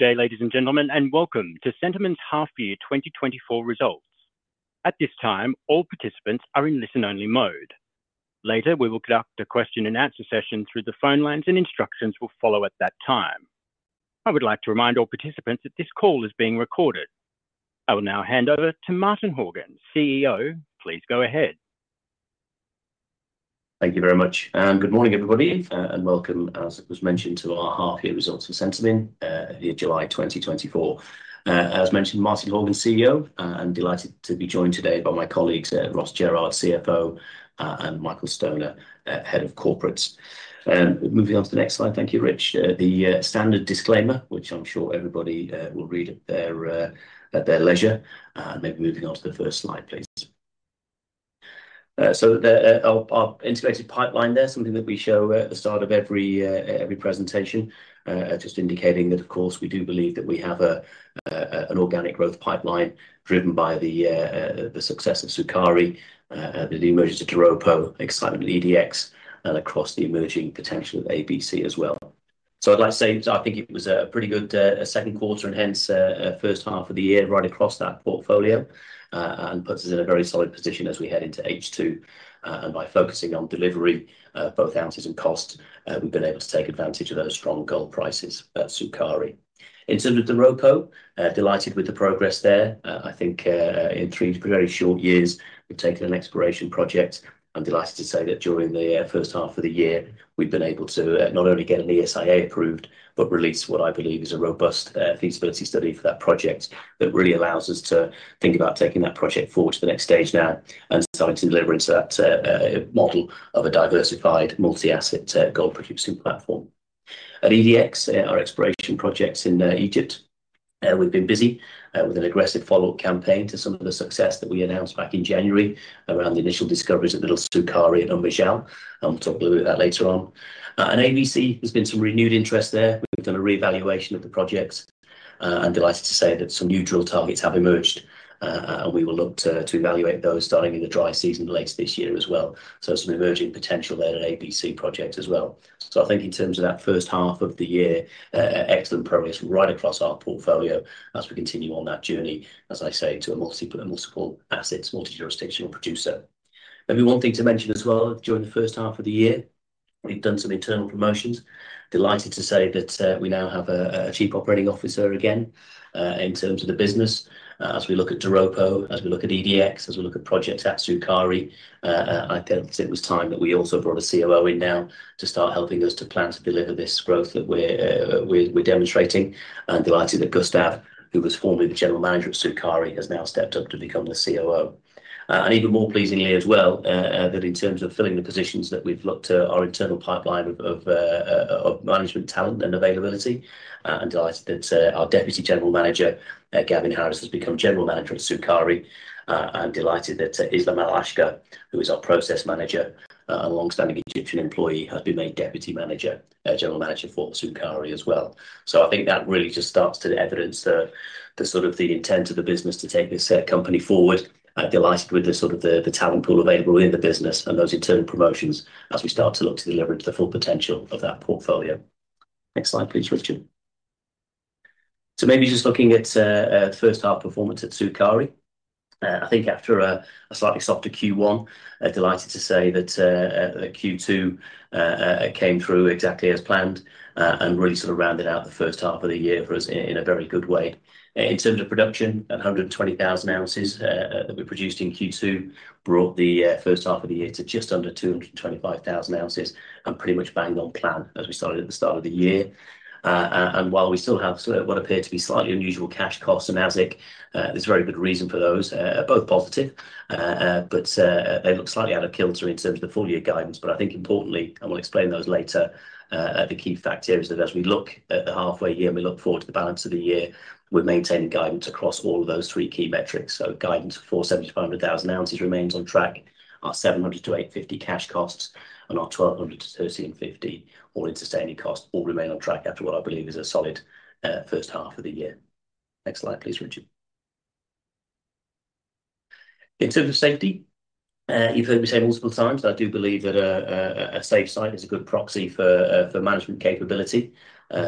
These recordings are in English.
Good day, ladies and gentlemen, and welcome to Centamin's Half-Year 2024 Results. At this time, all participants are in listen-only mode. Later, we will conduct a question and answer session through the phone lines, and instructions will follow at that time. I would like to remind all participants that this call is being recorded. I will now hand over to Martin Horgan, CEO. Please go ahead. Thank you very much, and good morning, everybody, and welcome, as it was mentioned, to our half year results for Centamin, the July 2024. As mentioned, Martin Horgan, CEO, I'm delighted to be joined today by my colleagues, Ross Jerrard, CFO, and Michael Stoner, Head of Corporates. Moving on to the next slide. Thank you, Rich. The standard disclaimer, which I'm sure everybody will read at their leisure. Maybe moving on to the first slide, please. So our integrated pipeline there, something that we show at the start of every presentation. Just indicating that, of course, we do believe that we have an organic growth pipeline driven by the success of Sukari, the emergence of Doropo, excitement at EDX, and across the emerging potential of ABC as well. So I'd like to say, so I think it was a pretty good Q2, and hence, first half of the year, right across that portfolio. And puts us in a very solid position as we head into H2. And by focusing on delivery, both ounces and cost, we've been able to take advantage of those strong gold prices at Sukari. In terms of Doropo, delighted with the progress there. I think, in three very short years, we've taken an exploration project. I'm delighted to say that during the first half of the year, we've been able to not only get an ESIA approved, but release what I believe is a robust feasibility study for that project. That really allows us to think about taking that project forward to the next stage now, and starting to deliver into that model of a diversified, multi-asset gold producing platform. At EDX, our exploration projects in Egypt, we've been busy with an aggressive follow-up campaign to some of the success that we announced back in January around the initial discoveries at Little Sukari and Umm Majal, and we'll talk a little about that later on. And ABC, there's been some renewed interest there. We've done a reevaluation of the project, and delighted to say that some new drill targets have emerged. and we will look to evaluate those starting in the dry season later this year as well. So some emerging potential there at ABC Project as well. So I think in terms of that first half of the year, excellent progress right across our portfolio as we continue on that journey, as I say, to a multiple, a multiple assets, multi-jurisdictional producer. Maybe one thing to mention as well, during the first half of the year, we've done some internal promotions. Delighted to say that, we now have a, a Chief Operating Officer again, in terms of the business. As we look at Doropo, as we look at EDX, as we look at projects at Sukari, I felt it was time that we also brought a COO in now to start helping us to plan to deliver this growth that we're demonstrating. Delighted that Gustav, who was formerly the General Manager of Sukari, has now stepped up to become the COO. Even more pleasingly as well, that in terms of filling the positions, we've looked to our internal pipeline of management talent and availability, delighted that our Deputy General Manager, Gavin Harris, has become General Manager at Sukari. Delighted that Islam El-Ashkar, who is our Process Manager, a long-standing Egyptian employee, has been made Deputy General Manager for Sukari as well. So I think that really just starts to evidence the sort of intent of the business to take this company forward. I'm delighted with the sort of talent pool available in the business and those internal promotions as we start to look to deliver into the full potential of that portfolio. Next slide, please, Richard. So maybe just looking at first half performance at Sukari. I think after a slightly softer Q1, delighted to say that Q2 came through exactly as planned, and really sort of rounded out the first half of the year for us in a very good way. In terms of production, 120,000 ounces that we produced in Q2 brought the first half of the year to just under 225,000 ounces, and pretty much bang on plan as we started at the start of the year. And while we still have sort of what appear to be slightly unusual cash costs and AISC, there's a very good reason for those, both positive. But they look slightly out of kilter in terms of the full-year guidance, but I think importantly, and we'll explain those later, the key fact here is that as we look at the halfway year, and we look forward to the balance of the year, we're maintaining guidance across all of those three key metrics. So guidance of 475,000 ounces remains on track, our $700 to $850 cash costs, and our $1,200 to $1,350 all-in sustaining costs, all remain on track after what I believe is a solid first half of the year. Next slide, please, Richard. In terms of safety, you've heard me say multiple times, I do believe that a safe site is a good proxy for management capability.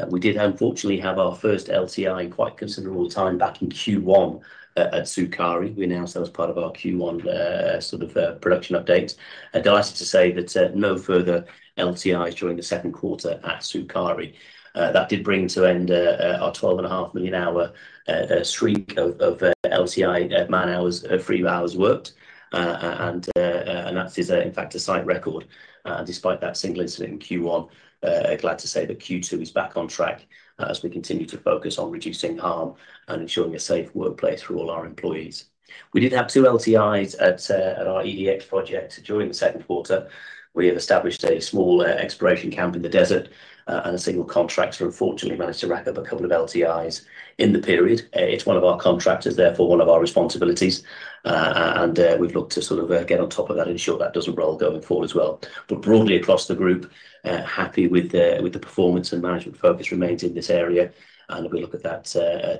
We did unfortunately have our first LTI in quite considerable time back in Q1 at Sukari. We announced that as part of our Q1 sort of production update. And delighted to say that no further LTIs during the Q2 at Sukari. That did bring to end our 12.5 million-hour streak of LTI-free man-hours worked. And that is, in fact, a site record. Despite that single incident in Q1, glad to say that Q2 is back on track as we continue to focus on reducing harm and ensuring a safe workplace for all our employees. We did have 2 LTIs at our EDX project during the Q2. We have established a small exploration camp in the desert, and a single contractor unfortunately managed to rack up a couple of LTIs in the period. It's one of our contractors, therefore one of our responsibilities. We've looked to sort of get on top of that, ensure that doesn't roll going forward as well. But broadly across the group, happy with the performance and management focus remains in this area. And if we look at that,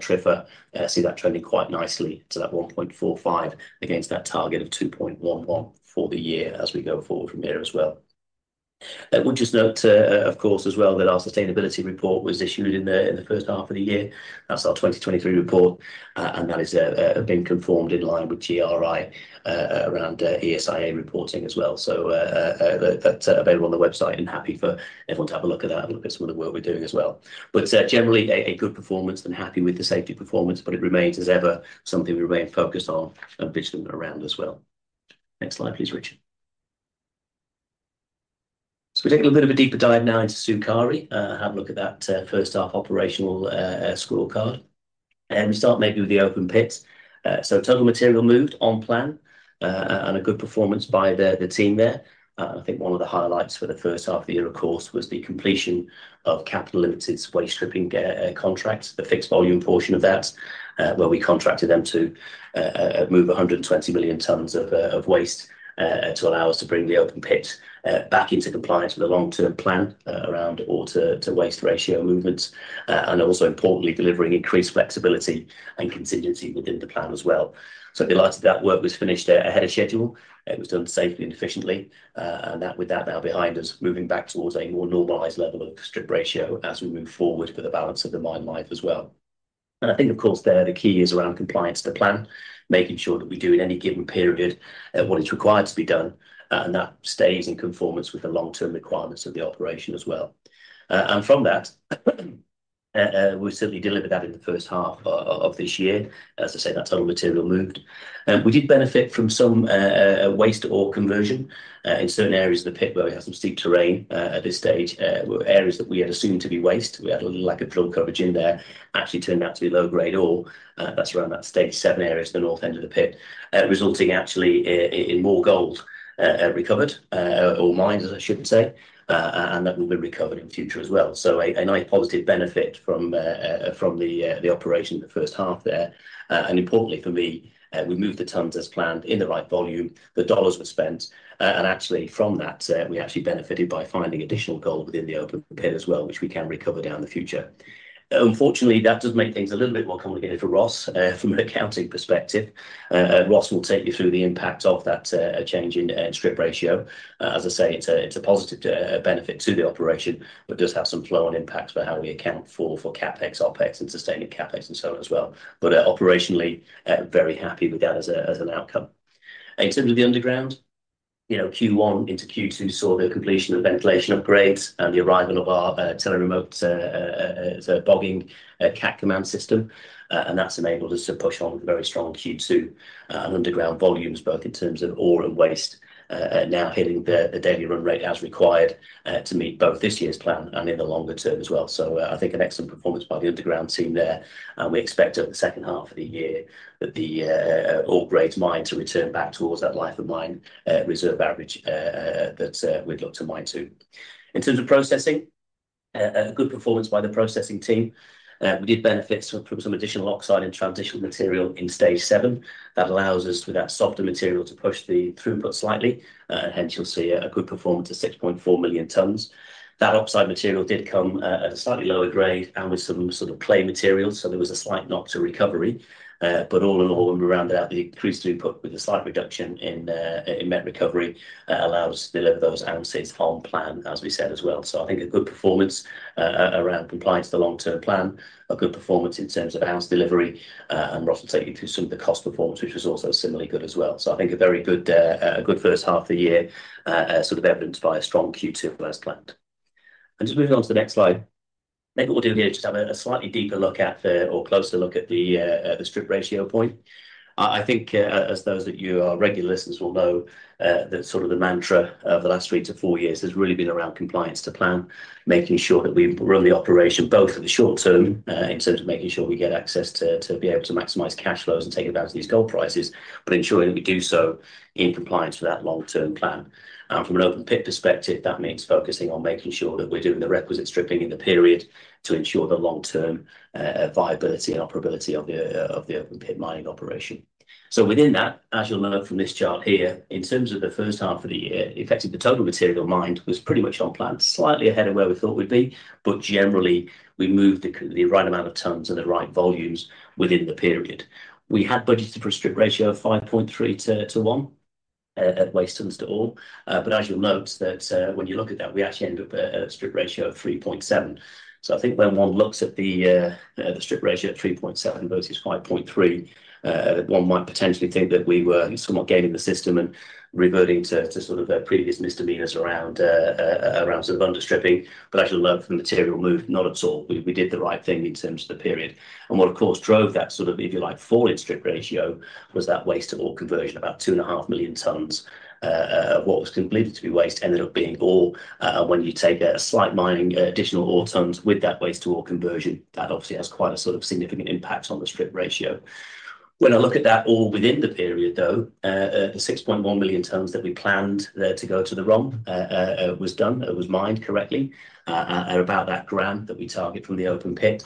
TRIFR, see that trending quite nicely to that 1.45 against that target of 2.11 for the year as we go forward from here as well. We'll just note, of course as well, that our sustainability report was issued in the first half of the year. That's our 2023 report, and that is been conformed in line with GRI, around ESIA reporting as well. So, that's available on the website, and happy for everyone to have a look at that and look at some of the work we're doing as well. But, generally, a good performance, and happy with the safety performance, but it remains, as ever, something we remain focused on and vigilant around as well. Next slide, please, Richard. So we'll take a little bit of a deeper dive now into Sukari. Have a look at that, first half operational scorecard. And we start maybe with the open pits. So total material moved on plan, and a good performance by the team there. I think one of the highlights for the first half of the year, of course, was the completion of Capital Limited's waste stripping contract, the fixed volume portion of that, where we contracted them to move 120 million tons of waste, to allow us to bring the open pit back into compliance with the long-term plan, around ore-to-waste ratio movements, and also importantly, delivering increased flexibility and contingency within the plan as well. So delighted that work was finished ahead of schedule. It was done safely and efficiently, and with that now behind us, moving back towards a more normalized level of strip ratio as we move forward for the balance of the mine life as well. I think, of course, there, the key is around compliance to plan, making sure that we do in any given period, what is required to be done, and that stays in conformance with the long-term requirements of the operation as well. From that, we certainly delivered that in the first half of this year. As I say, that total material moved. We did benefit from some waste ore conversion in certain areas of the pit where we have some steep terrain at this stage. Areas that we had assumed to be waste, we had a little lack of drill coverage in there, actually turned out to be low-grade ore. That's around that stage seven areas in the north end of the pit, resulting actually in more gold recovered, or mined, as I should say, and that will be recovered in the future as well. So a nice positive benefit from the operation in the first half there. And importantly for me, we moved the tons as planned in the right volume. The dollars were spent, and actually from that, we actually benefited by finding additional gold within the open pit as well, which we can recover down in the future. Unfortunately, that does make things a little bit more complicated for Ross from an accounting perspective. Ross will take you through the impact of that change in strip ratio. As I say, it's a positive benefit to the operation, but does have some flow-on impacts for how we account for CapEx, OpEx, and sustaining CapEx, and so on as well. But operationally, very happy with that as an outcome. In terms of the underground, you know, Q1 into Q2 saw the completion of ventilation upgrades and the arrival of our tele-remote bogging Cat Command system, and that's enabled us to push on with a very strong Q2 and underground volumes, both in terms of ore and waste, now hitting the daily run rate as required to meet both this year's plan and in the longer term as well. So, I think an excellent performance by the underground team there, and we expect over the second half of the year that the ore grade mined to return back towards that life of mine reserve average that we'd look to mine to. In terms of processing, a good performance by the processing team. We did benefit from some additional oxide and transitional material in stage seven. That allows us, with that softer material, to push the throughput slightly, hence you'll see a good performance of 6.4 million tons. That oxide material did come at a slightly lower grade and with some sort of clay materials, so there was a slight knock to recovery. But all in all, when we rounded out the increased input with a slight reduction in mine recovery, allowed us to deliver those ounces on plan, as we said, as well. So I think a good performance around compliance to the long-term plan, a good performance in terms of ounce delivery, and Ross will take you through some of the cost performance, which was also similarly good as well. So I think a very good, a good first half of the year, sort of evidenced by a strong Q2 as planned. And just moving on to the next slide. Maybe what we'll do here is just have a slightly deeper look at the... or closer look at the, the strip ratio point. I think, as those of you who are regular listeners will know, that sort of the mantra of the last 3-4 years has really been around compliance to plan, making sure that we run the operation both in the short term, in terms of making sure we get access to, to be able to maximize cash flows and take advantage of these gold prices, but ensuring that we do so in compliance with that long-term plan. And from an open pit perspective, that means focusing on making sure that we're doing the requisite stripping in the period to ensure the long-term viability and operability of the open pit mining operation. So within that, as you'll note from this chart here, in terms of the first half of the year, in fact the total material mined was pretty much on plan, slightly ahead of where we thought we'd be, but generally, we moved the right amount of tons and the right volumes within the period. We had budgeted for a strip ratio of 5.3 to 1 waste tons to ore, but as you'll note that, when you look at that, we actually end up at a strip ratio of 3.7. So I think when one looks at the strip ratio at 3.7 versus 5.3, one might potentially think that we were somewhat gaming the system and reverting to sort of previous misdemeanors around some under stripping. But as you'll note from the material moved, not at all. We did the right thing in terms of the period. And what, of course, drove that sort of, if you like, fall in strip ratio, was that waste-to-ore conversion. About 2.5 million tons of what was completed to be waste ended up being ore. When you take a slight mining additional ore tons with that waste-to-ore conversion, that obviously has quite a sort of significant impact on the strip ratio. When I look at that ore within the period, though, the 6.1 million tons that we planned there to go to the ramp was done, it was mined correctly at about that grade that we target from the open pit.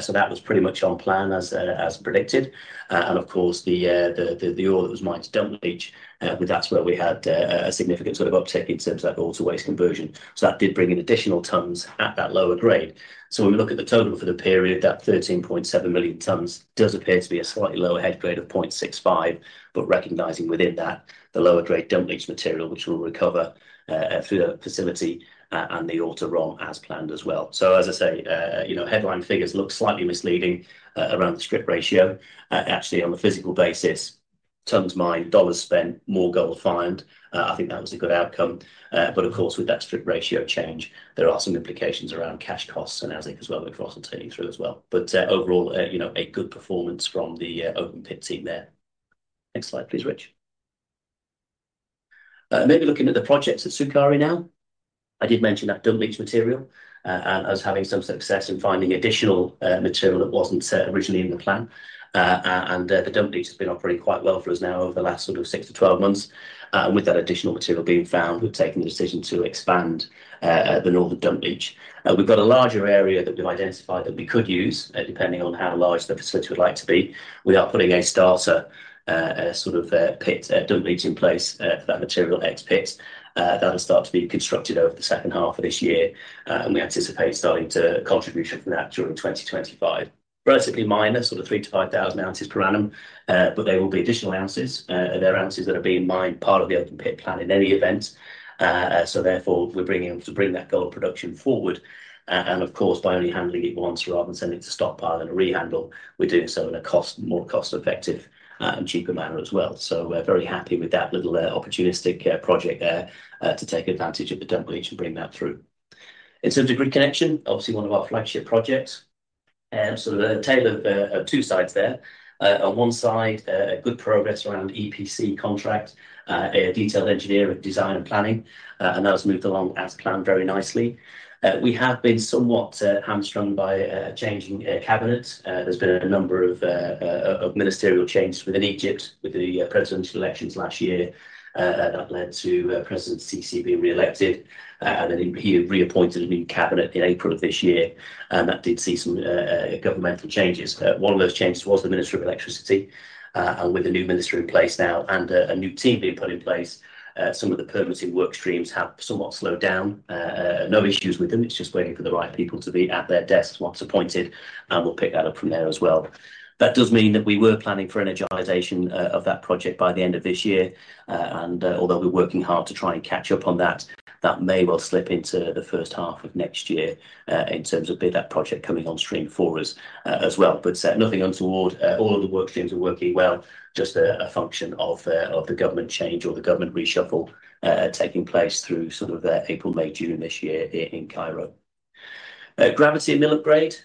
So that was pretty much on plan as predicted. And of course, the ore that was mined to dump leach, that's where we had a significant sort of uptick in terms of ore to waste conversion. So that did bring in additional tons at that lower grade. So when we look at the total for the period, that 13.7 million tons does appear to be a slightly lower head grade of 0.65, but recognizing within that, the lower grade dump leach material, which we'll recover through the facility and the ore to ROM as planned as well. So as I say, you know, headline figures look slightly misleading around the strip ratio. Actually, on a physical basis, tons mined, dollars spent, more gold found. I think that was a good outcome. But of course, with that strip ratio change, there are some implications around cash costs and CapEx as well, which Ross will take you through as well. But, overall, you know, a good performance from the open pit team there. Next slide, please, Rich. Maybe looking at the projects at Sukari now. I did mention that dump leach material, and us having some success in finding additional material that wasn't originally in the plan. And the dump leach has been operating quite well for us now over the last sort of 6 to 12 months. And with that additional material being found, we've taken the decision to expand the northern dump leach. We've got a larger area that we've identified that we could use, depending on how large the facility would like to be. We are putting a starter, sort of, pit dump leach in place, for that material X pit. That'll start to be constructed over the second half of this year, and we anticipate starting to contribution from that during 2025. Relatively minor, sort of 3-5,000 ounces per annum, but they will be additional ounces. They're ounces that are being mined part of the open pit plan in any event. So therefore, we're bringing, able to bring that gold production forward, and of course, by only handling it once rather than sending it to stockpile and re-handle, we're doing so in a more cost-effective, and cheaper manner as well. So we're very happy with that little, opportunistic, project there, to take advantage of the dump leach and bring that through. In terms of grid connection, obviously one of our flagship projects, so the tale of two sides there. On one side, a good progress around EPC contract, a detailed engineer of design and planning, and that has moved along as planned very nicely. We have been somewhat hamstrung by changing cabinets. There's been a number of ministerial changes within Egypt with the presidential elections last year, that led to President Sisi being re-elected. And then he reappointed a new cabinet in April of this year, and that did see some governmental changes. One of those changes was the Ministry of Electricity. And with the new ministry in place now and a new team being put in place, some of the permitting work streams have somewhat slowed down. No issues with them, it's just waiting for the right people to be at their desks once appointed, and we'll pick that up from there as well. That does mean that we were planning for energization of that project by the end of this year. And although we're working hard to try and catch up on that, that may well slip into the first half of next year in terms of that project coming on stream for us as well. But nothing untoward. All of the work streams are working well, just a function of the government change or the government reshuffle taking place through sort of April, May, June this year here in Cairo. Gravity mill upgrade.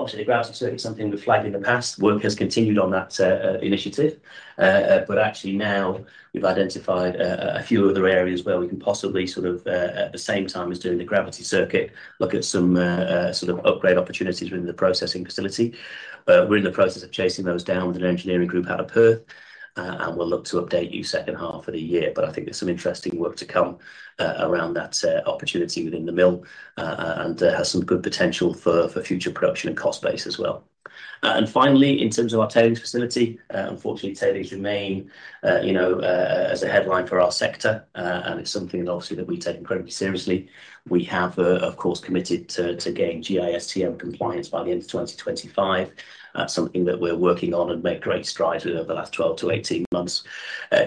Obviously, gravity is certainly something we've flagged in the past. Work has continued on that initiative, but actually now we've identified a few other areas where we can possibly sort of at the same time as doing the gravity circuit, look at some sort of upgrade opportunities within the processing facility. We're in the process of chasing those down with an engineering group out of Perth, and we'll look to update you second half of the year. But I think there's some interesting work to come around that opportunity within the mill. And has some good potential for future production and cost base as well. And finally, in terms of our tailings facility, unfortunately, tailings remain, you know, as a headline for our sector, and it's something obviously that we take incredibly seriously. We have, of course, committed to gain GISTM compliance by the end of 2025. Something that we're working on and made great strides with over the last 12 to 18 months.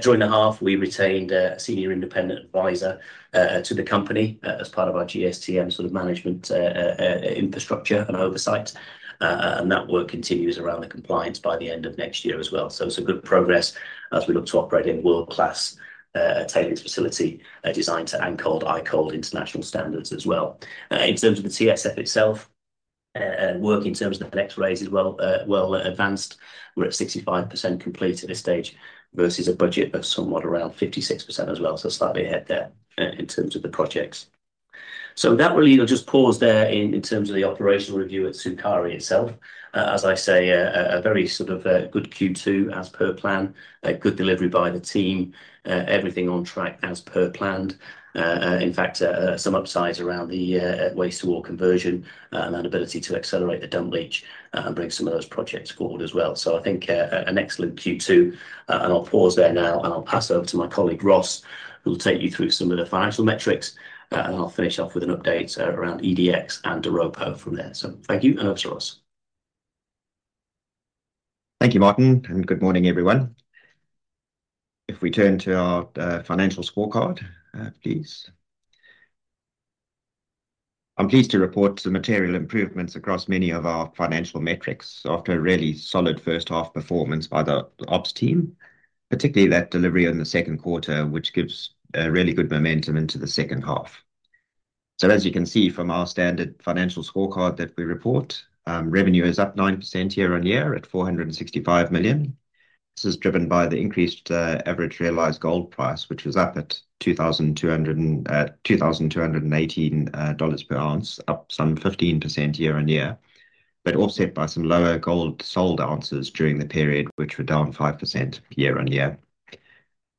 During the half, we retained a senior independent advisor to the company as part of our GISTM sort of management infrastructure and oversight. And that work continues around the compliance by the end of next year as well. So some good progress as we look to operate a world-class tailings facility designed to international standards as well. In terms of the TSF itself, work in terms of the raise is well advanced. We're at 65% complete at this stage, versus a budget of somewhat around 56% as well, so slightly ahead there in terms of the projects. So with that, we'll just pause there in terms of the operational review at Sukari itself. As I say, a very sort of good Q2 as per plan. A good delivery by the team, everything on track as per planned. In fact, some upsides around the waste to ore conversion, and that ability to accelerate the dump leach, and bring some of those projects forward as well. So I think an excellent Q2, and I'll pause there now, and I'll pass over to my colleague, Ross, who will take you through some of the financial metrics, and I'll finish off with an update around EDX and Doropo from there. So thank you, and over to Ross. Thank you, Martin, and good morning, everyone. If we turn to our financial scorecard, please. I'm pleased to report the material improvements across many of our financial metrics after a really solid first half performance by the ops team, particularly that delivery in the Q2, which gives really good momentum into the second half. So as you can see from our standard financial scorecard that we report, revenue is up 9% year-over-year at $465 million. This is driven by the increased average realized gold price, which was up at $2,218 per ounce, up some 15% year-over-year, but offset by some lower gold sold ounces during the period, which were down 5% year-over-year.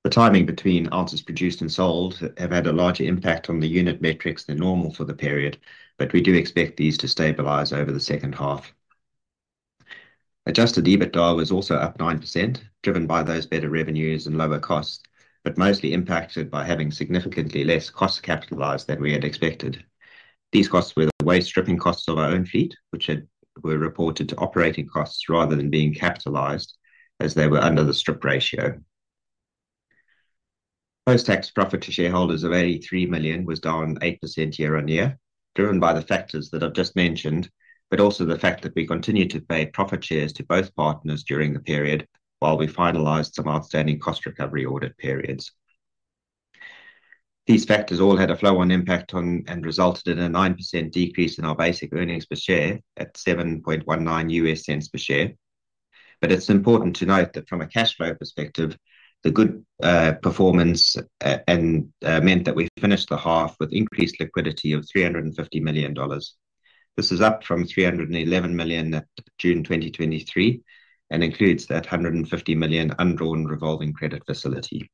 The timing between ounces produced and sold have had a larger impact on the unit metrics than normal for the period, but we do expect these to stabilize over the second half. Adjusted EBITDA was also up 9%, driven by those better revenues and lower costs, but mostly impacted by having significantly less costs capitalized than we had expected. These costs were the waste stripping costs of our own fleet, which were reported to operating costs rather than being capitalized as they were under the strip ratio. Post-tax profit to shareholders of $83 million was down 8% year-on-year, driven by the factors that I've just mentioned, but also the fact that we continued to pay profit shares to both partners during the period, while we finalized some outstanding cost recovery audit periods. These factors all had a flow-on impact on and resulted in a 9% decrease in our basic earnings per share at $0.0719 per share. But it's important to note that from a cash flow perspective, the good performance and meant that we finished the half with increased liquidity of $350 million. This is up from $311 million at June 2023, and includes that $150 million undrawn revolving credit facility.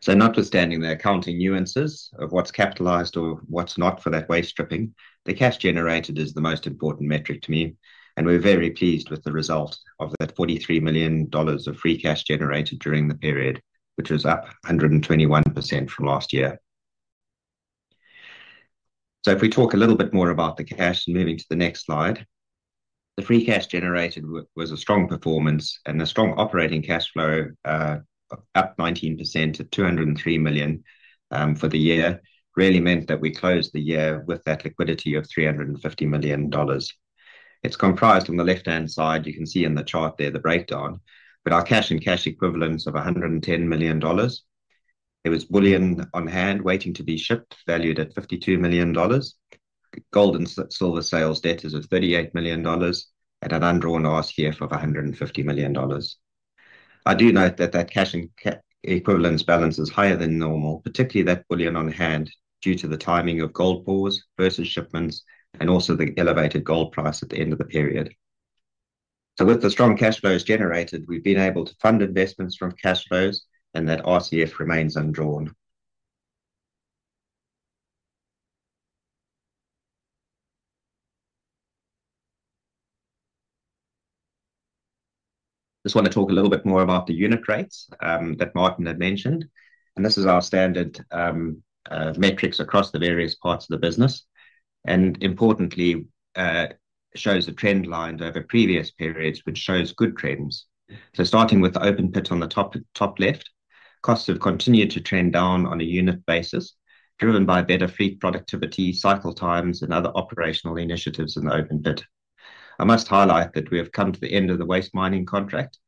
So notwithstanding the accounting nuances of what's capitalized or what's not for that waste stripping, the cash generated is the most important metric to me, and we're very pleased with the result of that $43 million of free cash generated during the period, which was up 121% from last year. So if we talk a little bit more about the cash, moving to the next slide. The free cash generated was a strong performance, and a strong operating cash flow up 19% to $203 million for the year, really meant that we closed the year with that liquidity of $350 million. It's comprised on the left-hand side, you can see in the chart there, the breakdown, but our cash and cash equivalents of $110 million. There was bullion on hand waiting to be shipped, valued at $52 million. Gold and silver sales debtors of $38 million, and an undrawn RCF of $150 million. I do note that the cash and cash equivalence balance is higher than normal, particularly the bullion on hand, due to the timing of gold pours versus shipments, and also the elevated gold price at the end of the period. So with the strong cash flows generated, we've been able to fund investments from cash flows, and that RCF remains undrawn. Just want to talk a little bit more about the unit rates that Martin had mentioned, and this is our standard metrics across the various parts of the business. Importantly, it shows a trend line over previous periods, which shows good trends. So starting with the open pit on the top left, costs have continued to trend down on a unit basis, driven by better fleet productivity, cycle times, and other operational initiatives in the open pit. I must highlight that we have come to the end of the waste mining contract,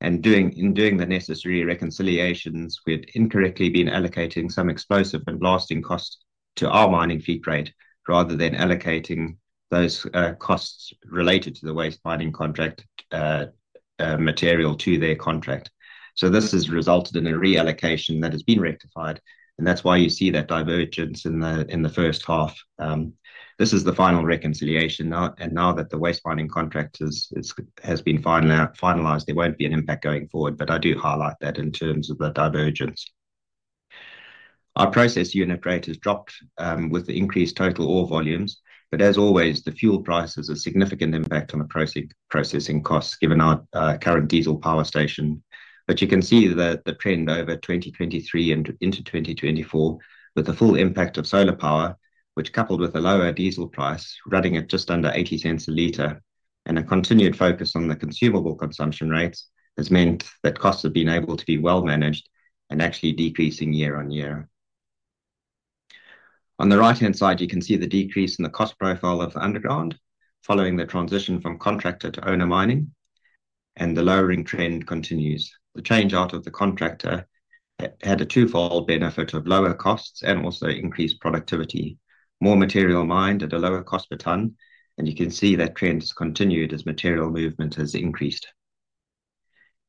and in doing the necessary reconciliations, we had incorrectly been allocating some explosive and blasting costs to our mining fleet rate, rather than allocating those costs related to the waste mining contract material to their contract. So this has resulted in a reallocation that has been rectified, and that's why you see that divergence in the first half. This is the final reconciliation now, and now that the waste mining contract has been finalized, there won't be an impact going forward. But I do highlight that in terms of the divergence. Our process unit rate has dropped with the increased total ore volumes, but as always, the fuel price has a significant impact on the processing costs, given our current diesel power station. But you can see the trend over 2023 and into 2024, with the full impact of solar power, which, coupled with a lower diesel price, running at just under $0.80 a liter, and a continued focus on the consumable consumption rates, has meant that costs have been able to be well managed and actually decreasing year on year. On the right-hand side, you can see the decrease in the cost profile of the underground, following the transition from contractor to owner mining, and the lowering trend continues. The change out of the contractor had a twofold benefit of lower costs and also increased productivity. More material mined at a lower cost per ton, and you can see that trend has continued as material movement has increased.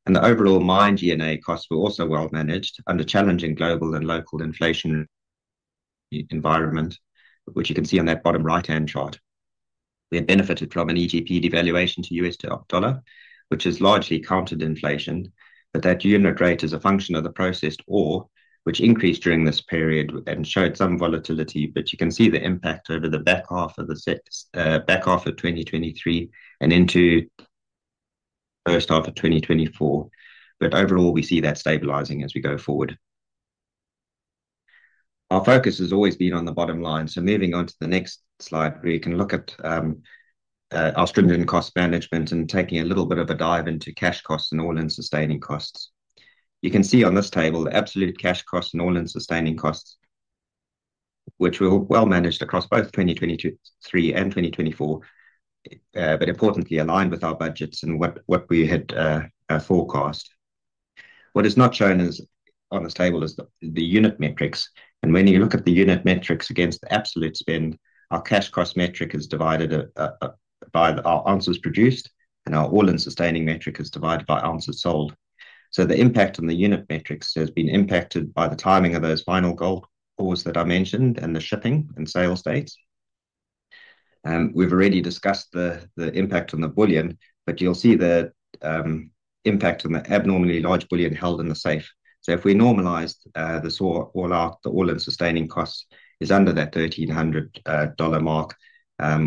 The overall mine G&A costs were also well managed under challenging global and local inflation environment, which you can see on that bottom right-hand chart. We have benefited from an EGP devaluation to US dollar, which has largely countered inflation, but that unit rate is a function of the processed ore, which increased during this period and showed some volatility. But you can see the impact over the back half of 2023 and into first half of 2024. But overall, we see that stabilizing as we go forward. Our focus has always been on the bottom line. So moving on to the next slide, where you can look at our stripping cost management and taking a little bit of a dive into cash costs and all-in sustaining costs. You can see on this table, the absolute cash costs and all-in sustaining costs, which were well managed across both 2022, 2023, and 2024, but importantly, aligned with our budgets and what we had forecast. What is not shown on this table is the unit metrics. And when you look at the unit metrics against the absolute spend, our cash cost metric is divided by our ounces produced, and our all-in sustaining metric is divided by ounces sold. So the impact on the unit metrics has been impacted by the timing of those final gold pours that I mentioned and the shipping and sales dates. We've already discussed the impact on the bullion, but you'll see that impact on the abnormally large bullion held in the safe. So if we normalized this ore, all our, the all-in sustaining costs is under that $1,300 mark,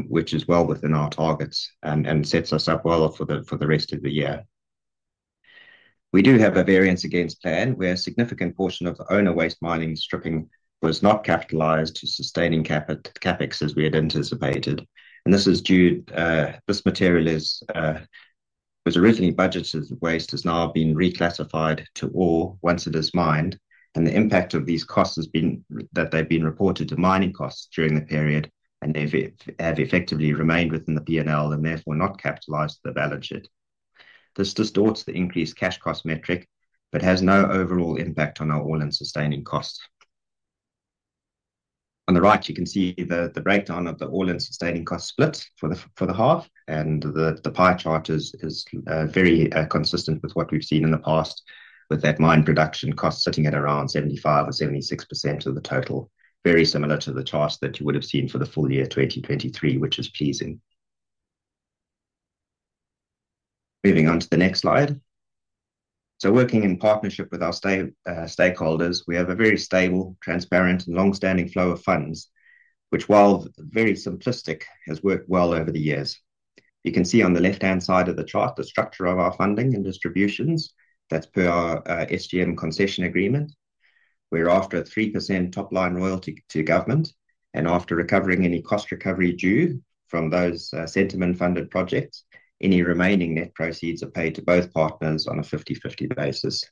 which is well within our targets and sets us up well for the rest of the year. We do have a variance against plan, where a significant portion of the owner waste mining stripping was not capitalized to sustaining CapEx as we had anticipated. And this is due, this material is was originally budgeted as waste, has now been reclassified to ore once it is mined. And the impact of these costs has been that they've been reported to mining costs during the period, and they've effectively remained within the P&L and therefore not capitalized to the balance sheet. This distorts the increased cash cost metric, but has no overall impact on our all-in sustaining costs. On the right, you can see the breakdown of the all-in sustaining cost split for the half, and the pie chart is very consistent with what we've seen in the past, with that mine production cost sitting at around 75% or 76% of the total. Very similar to the charts that you would have seen for the full year 2023, which is pleasing. Moving on to the next slide. So working in partnership with our stakeholders, we have a very stable, transparent, and long-standing flow of funds, which, while very simplistic, has worked well over the years. You can see on the left-hand side of the chart, the structure of our funding and distributions. That's per our SGM concession agreement. We're after a 3% top-line royalty to government, and after recovering any cost recovery due from those, Centamin-funded projects, any remaining net proceeds are paid to both partners on a 50/50 basis.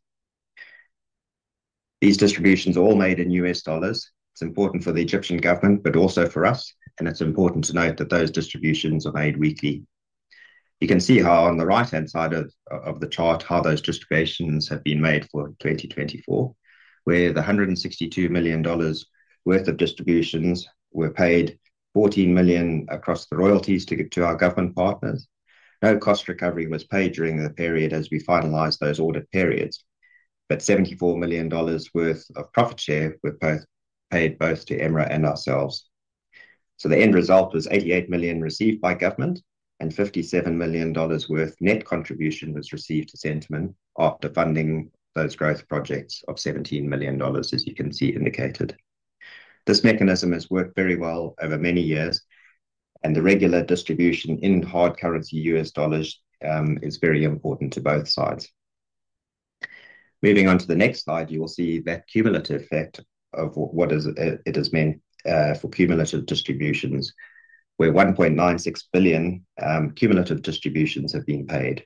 These distributions are all made in US dollars. It's important for the Egyptian government, but also for us, and it's important to note that those distributions are made weekly. You can see how on the right-hand side of the chart, how those distributions have been made for 2024, where the $162 million worth of distributions were paid, $40 million across the royalties to our government partners. No cost recovery was paid during the period as we finalized those audit periods, but $74 million worth of profit share were both paid both to EMRA and ourselves. The end result was $88 million received by government, and $57 million worth net contribution was received to Centamin after funding those growth projects of $17 million, as you can see indicated. This mechanism has worked very well over many years, and the regular distribution in hard currency U.S. dollars is very important to both sides. Moving on to the next slide, you will see the cumulative effect of what it has meant for cumulative distributions, where $1.96 billion cumulative distributions have been paid.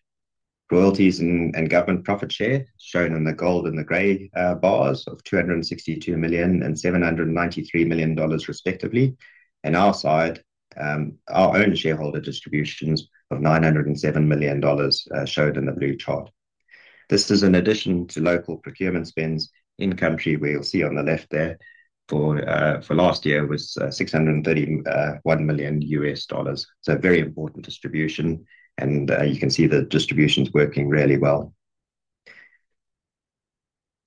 Royalties and government profit share, shown in the gold and the grey bars, of $262 million and $793 million respectively. Our side, our own shareholder distributions of $907 million, showed in the blue chart. This is in addition to local procurement spends in-country, where you'll see on the left there for last year was $631 million. So a very important distribution, and you can see the distributions working really well.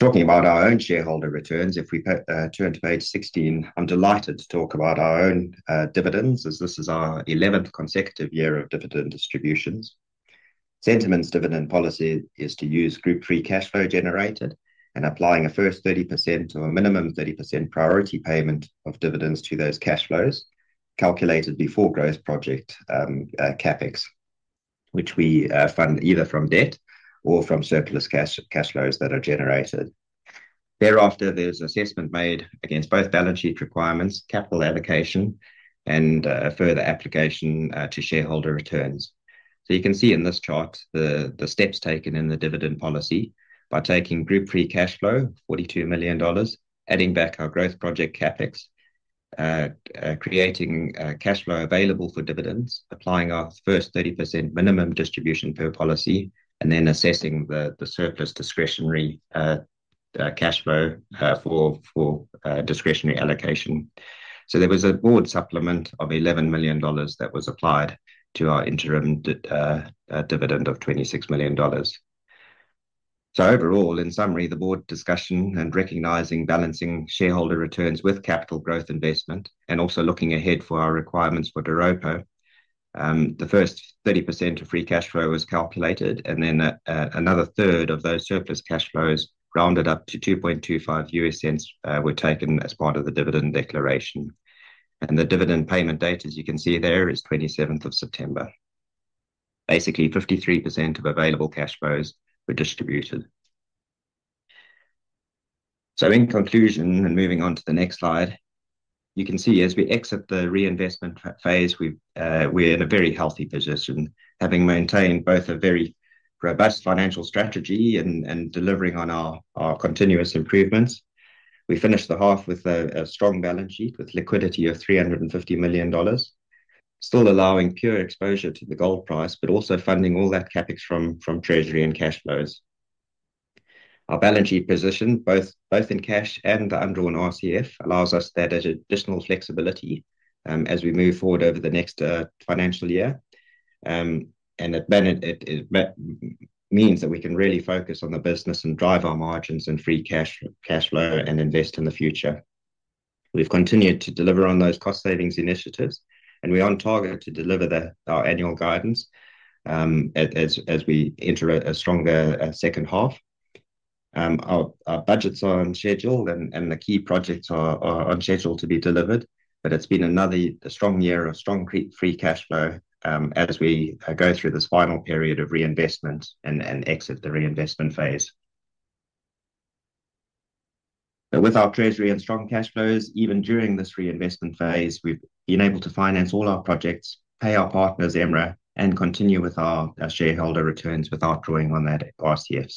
Talking about our own shareholder returns, if we turn to page 16, I'm delighted to talk about our own dividends, as this is our 11th consecutive year of dividend distributions. Centamin's dividend policy is to use group free cash flow generated and applying a first 30% or a minimum of 30% priority payment of dividends to those cash flows, calculated before growth project CapEx, which we fund either from debt or from surplus cash flows that are generated. Thereafter, there's assessment made against both balance sheet requirements, capital allocation, and a further application to shareholder returns. So you can see in this chart the steps taken in the dividend policy by taking group free cash flow, $42 million, adding back our growth project CapEx, creating cash flow available for dividends, applying our first 30% minimum distribution per policy, and then assessing the surplus discretionary cash flow for discretionary allocation. So there was a board supplement of $11 million that was applied to our interim dividend of $26 million. So overall, in summary, the board discussion and recognizing balancing shareholder returns with capital growth investment and also looking ahead for our requirements for Doropo, the first 30% of free cash flow was calculated, and then another third of those surplus cash flows, rounded up to $0.025, were taken as part of the dividend declaration. The dividend payment date, as you can see there is 27th of September. Basically, 53% of available cash flows were distributed. So in conclusion, and moving on to the next slide, you can see as we exit the reinvestment phase, we've, we're in a very healthy position, having maintained both a very robust financial strategy and, and delivering on our, our continuous improvements. We finished the half with a strong balance sheet, with liquidity of $350 million, still allowing pure exposure to the gold price, but also funding all that CapEx from treasury and cash flows. Our balance sheet position, both in cash and the undrawn RCF, allows us that additional flexibility as we move forward over the next financial year. And it means that we can really focus on the business and drive our margins and free cash flow, and invest in the future. We've continued to deliver on those cost savings initiatives, and we're on target to deliver our annual guidance as we enter a stronger second half. Our budgets are on schedule, and the key projects are on schedule to be delivered, but it's been another strong year of strong free cashflow, as we go through this final period of reinvestment and exit the reinvestment phase. But with our treasury and strong cash flows, even during this reinvestment phase, we've been able to finance all our projects, pay our partners, EMRA, and continue with our shareholder returns without drawing on that RCF.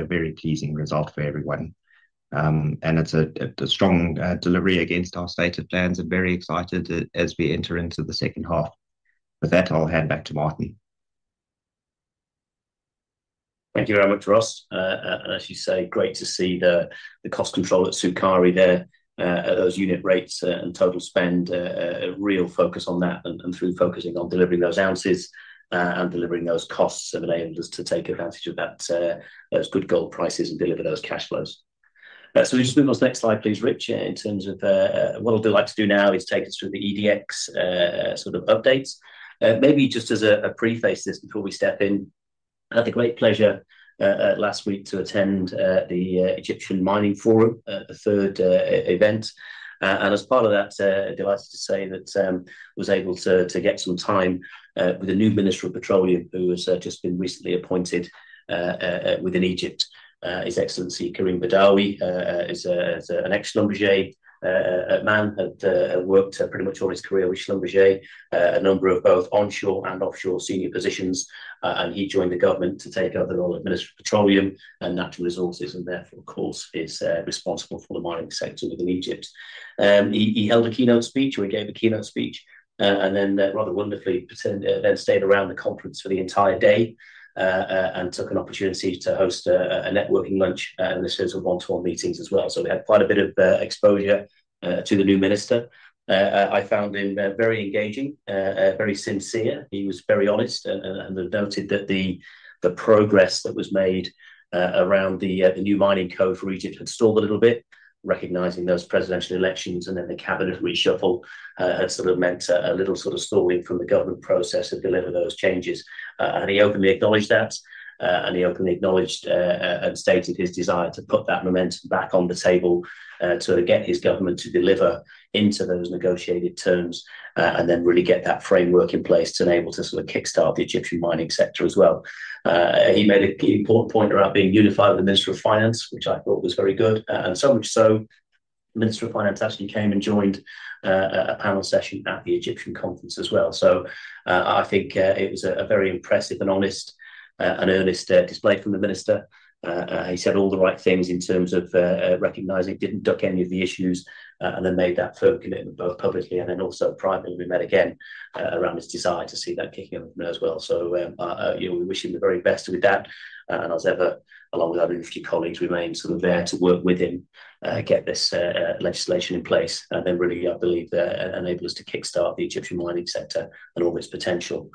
A very pleasing result for everyone. It's a strong delivery against our stated plans. I'm very excited as we enter into the second half. With that, I'll hand back to Martin. Thank you very much, Ross. And as you say, great to see the cost control at Sukari there, at those unit rates, and total spend, a real focus on that, and through focusing on delivering those ounces, and delivering those costs have enabled us to take advantage of that, those good gold prices and deliver those cash flows. So we just move on to the next slide, please, Rich. In terms of what I'd like to do now is take us through the EDX sort of updates. Maybe just as a preface to this before we step in, I had the great pleasure last week to attend the Egyptian Mining Forum, the third event. And as part of that, delighted to say that was able to get some time with the new Minister of Petroleum, who has just been recently appointed within Egypt. His Excellency, Karim Badawi, is an ex-Schlumberger man. Had worked pretty much all his career with Schlumberger, a number of both onshore and offshore senior positions, and he joined the government to take over the role of Minister of Petroleum and Natural Resources, and therefore, of course, is responsible for the mining sector within Egypt. He held a keynote speech, or he gave a keynote speech, and then, rather wonderfully, then stayed around the conference for the entire day, and took an opportunity to host a networking lunch, in the sort of one-to-one meetings as well. So we had quite a bit of exposure to the new minister. I found him very engaging, very sincere. He was very honest and noted that the progress that was made around the new mining code for Egypt had stalled a little bit, recognizing those presidential elections, and then the cabinet reshuffle had sort of meant a little sort of stalling from the government process to deliver those changes. And he openly acknowledged that and stated his desire to put that momentum back on the table, to get his government to deliver into those negotiated terms, and then really get that framework in place to enable to sort of kickstart the Egyptian mining sector as well. He made an important point about being unified with the Ministry of Finance, which I thought was very good. And so much so, the Minister of Finance actually came and joined a panel session at the Egyptian conference as well. So, I think it was a very impressive and honest and earnest display from the minister. He said all the right things in terms of recognizing, didn't duck any of the issues, and then made that firm commitment, both publicly and then also privately. We met again around his desire to see that kicking off as well. So, you know, we wish him the very best with that, and as ever, along with our industry colleagues, we remain sort of there to work with him get this legislation in place. And then, really, I believe, enable us to kickstart the Egyptian mining sector and all its potential.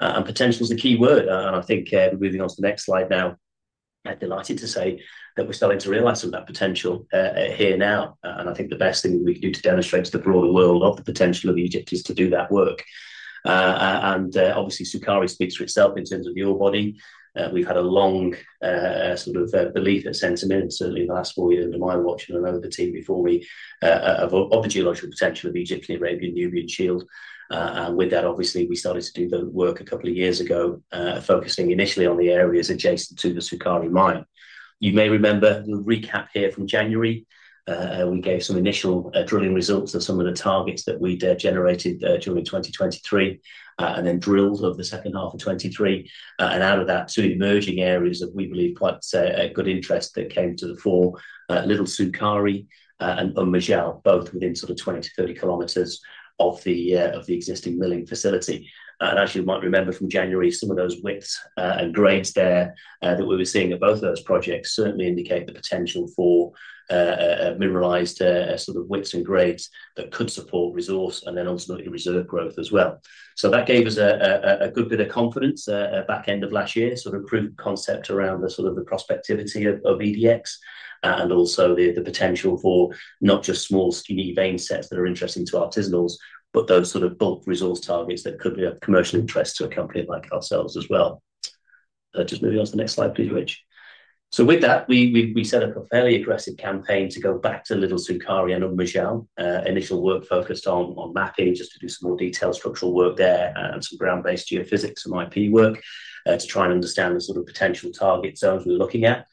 And potential is the key word, and I think, moving on to the next slide now, I'm delighted to say that we're starting to realize some of that potential here now. I think the best thing we can do to demonstrate to the broader world of the potential of Egypt is to do that work. Obviously, Sukari speaks for itself in terms of the ore body. We've had a long, sort of, belief, a sentiment, certainly in the last four years under my watch and another team before me, of the geological potential of the Egyptian Arabian-Nubian Shield. And with that, obviously, we started to do the work a couple of years ago, focusing initially on the areas adjacent to the Sukari mine. You may remember, a recap here from January, we gave some initial drilling results of some of the targets that we'd generated during 2023, and then drilled over the second half of 2023. And out of that, two emerging areas that we believe quite a good interest that came to the fore, Little Sukari and Umm Majal, both within sort of 20 to 30 km of the existing milling facility. As you might remember from January, some of those widths and grades there that we were seeing at both those projects certainly indicate the potential for mineralized sort of widths and grades that could support resource and then ultimately reserve growth as well. So that gave us a good bit of confidence at back end of last year, sort of proof of concept around the sort of the prospectivity of EDX, and also the potential for not just small, skinny vein sets that are interesting to artisanals, but those sort of bulk resource targets that could be of commercial interest to a company like ourselves as well. Just moving on to the next slide, please, Rich. So with that, we set up a fairly aggressive campaign to go back to Little Sukari and Umm Majal. Initial work focused on mapping, just to do some more detailed structural work there, and some ground-based geophysics and IP work, to try and understand the sort of potential target zones we're looking at.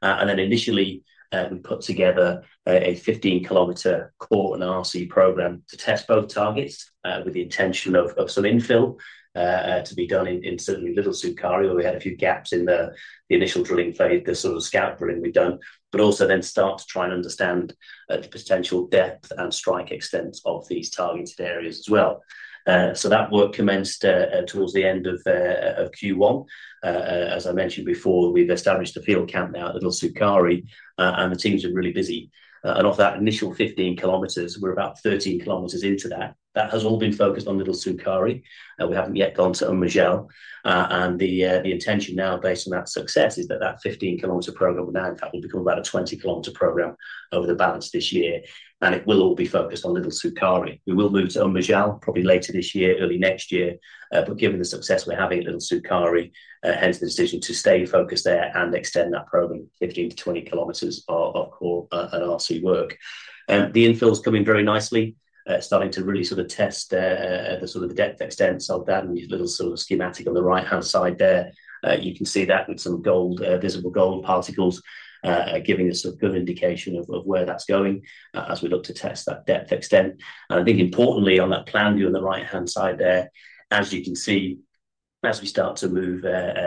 And then initially, we put together a 15 km core and RC program to test both targets, with the intention of some infill to be done in certainly Little Sukari, where we had a few gaps in the initial drilling phase, the sort of scout drilling we've done, but also then start to try and understand the potential depth and strike extent of these targeted areas as well. So that work commenced towards the end of Q1. As I mentioned before, we've established a field camp now at Little Sukari, and the teams are really busy. And of that initial 15 km, we're about 13 km into that. That has all been focused on Little Sukari, we haven't yet gone to Umm Majal. The intention now, based on that success, is that 15-kilometer program will now, in fact, will become about a 20-kilometer program over the balance this year, and it will all be focused on Little Sukari. We will move to Umm Majal probably later this year, early next year, but given the success we're having at Little Sukari, hence the decision to stay focused there and extend that program 15 to 20 km of core and RC work. The infill's coming very nicely, starting to really sort of test the sort of depth extents of that, and the little sort of schematic on the right-hand side there. You can see that with some gold, visible gold particles, giving us a good indication of where that's going, as we look to test that depth extent. I think importantly, on that plan view on the right-hand side there, as you can see as we start to move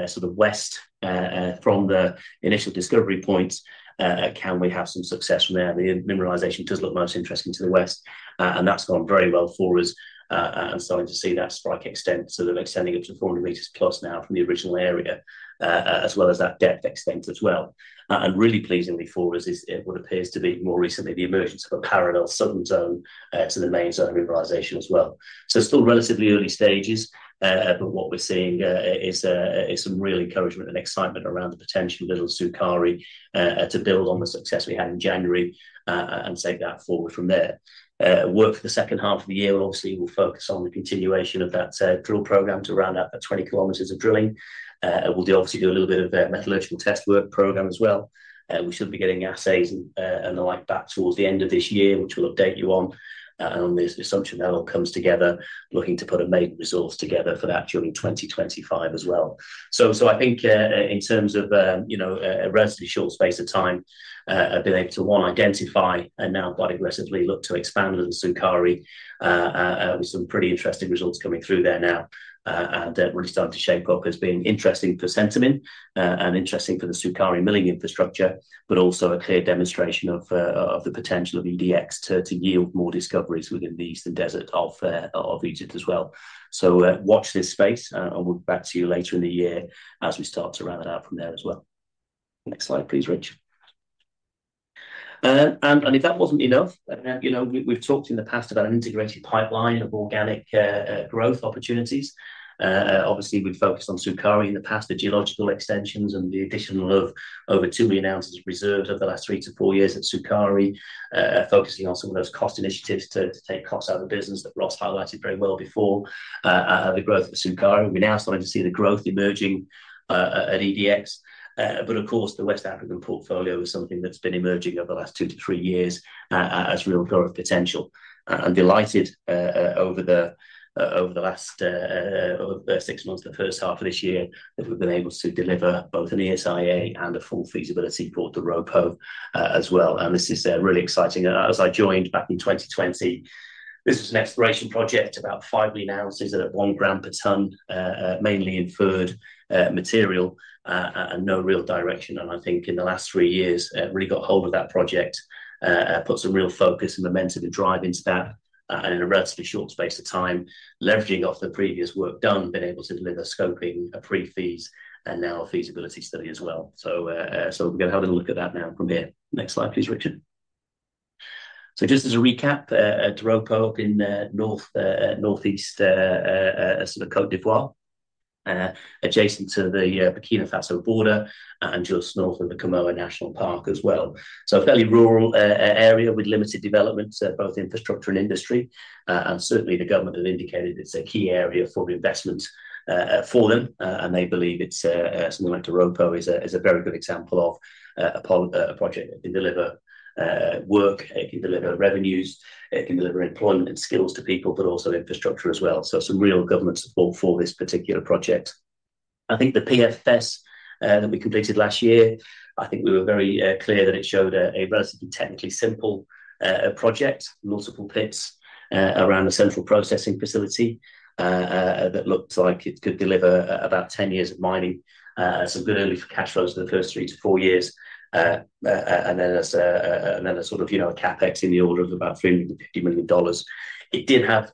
sort of west from the initial discovery points, can we have some success from there? The mineralization does look most interesting to the west, and that's gone very well for us, and starting to see that strike extent, sort of extending up to 400 m plus now from the original area, as well as that depth extent as well. And really pleasingly for us is what appears to be more recently the emergence of a parallel southern zone to the main zone of mineralization as well. So still relatively early stages, but what we're seeing is some real encouragement and excitement around the potential of Little Sukari to build on the success we had in January and take that forward from there. Work for the second half of the year, obviously, will focus on the continuation of that drill program to round out the 20 km of drilling. We'll obviously do a little bit of a metallurgical test work program as well. We should be getting assays, and the like back towards the end of this year, which we'll update you on, on the assumption that all comes together, looking to put a main resource together for that during 2025 as well. So, so I think, in terms of, you know, a relatively short space of time, I've been able to, one, identify and now quite aggressively look to expand Little Sukari, with some pretty interesting results coming through there now, and that really started to shape up as being interesting for sentiment, and interesting for the Sukari milling infrastructure, but also a clear demonstration of, of the potential of EDX to, to yield more discoveries within the Eastern Desert of Egypt as well. So, watch this space, and we'll be back to you later in the year as we start to round it out from there as well. Next slide, please, Rich. And if that wasn't enough, you know, we've talked in the past about an integrated pipeline of organic growth opportunities. Obviously, we've focused on Sukari in the past, the geological extensions and the addition of over 2 million ounces of reserves over the last three to four years at Sukari, focusing on some of those cost initiatives to take costs out of the business that Ross highlighted very well before, the growth of Sukari. We're now starting to see the growth emerging at EDX. But of course, the West African portfolio is something that's been emerging over the last two to three years, as real growth potential. I'm delighted over the last six months, the first half of this year, that we've been able to deliver both an ESIA and a full feasibility for the Doropo, as well, and this is really exciting. As I joined back in 2020, this was an exploration project, about 5 million ounces at 1 gram per ton, mainly inferred material, and no real direction. And I think in the last three years, really got hold of that project, put some real focus and momentum and drive into that, in a relatively short space of time, leveraging off the previous work done, been able to deliver scoping, a pre-feasibility, and now a feasibility study as well. So, so we're going to have a little look at that now from here. Next slide, please, Richard. So just as a recap, Doropo up in, north, northeast, sort of Côte d'Ivoire, adjacent to the, Burkina Faso border, and just north of the Comoé National Park as well. So a fairly rural, area with limited development, both infrastructure and industry. And certainly, the government have indicated it's a key area for investment for them, and they believe it's something like the Doropo is a very good example of a project that can deliver work, it can deliver revenues, it can deliver employment and skills to people, but also infrastructure as well. So some real government support for this particular project. I think the PFS that we completed last year, I think we were very clear that it showed a relatively technically simple project, multiple pits around a central processing facility that looked like it could deliver about 10 years of mining, some good early for cash flows in the first three to four years, and then a sort of, you know, a CapEx in the order of about $350 million. It did have,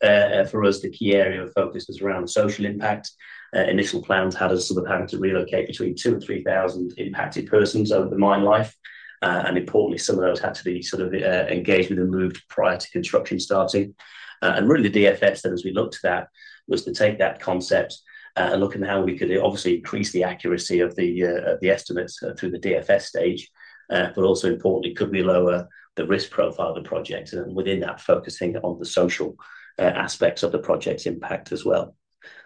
for us, the key area of focus was around social impact. Initial plans had us sort of having to relocate between 2,000 to 3,000 impacted persons over the mine life, and importantly, some of those had to be sort of engaged with and moved prior to construction starting. And really, the DFS then, as we looked at that, was to take that concept, and look at how we could obviously increase the accuracy of the estimates through the DFS stage, but also importantly, could we lower the risk profile of the project, and within that, focusing on the social aspects of the project's impact as well.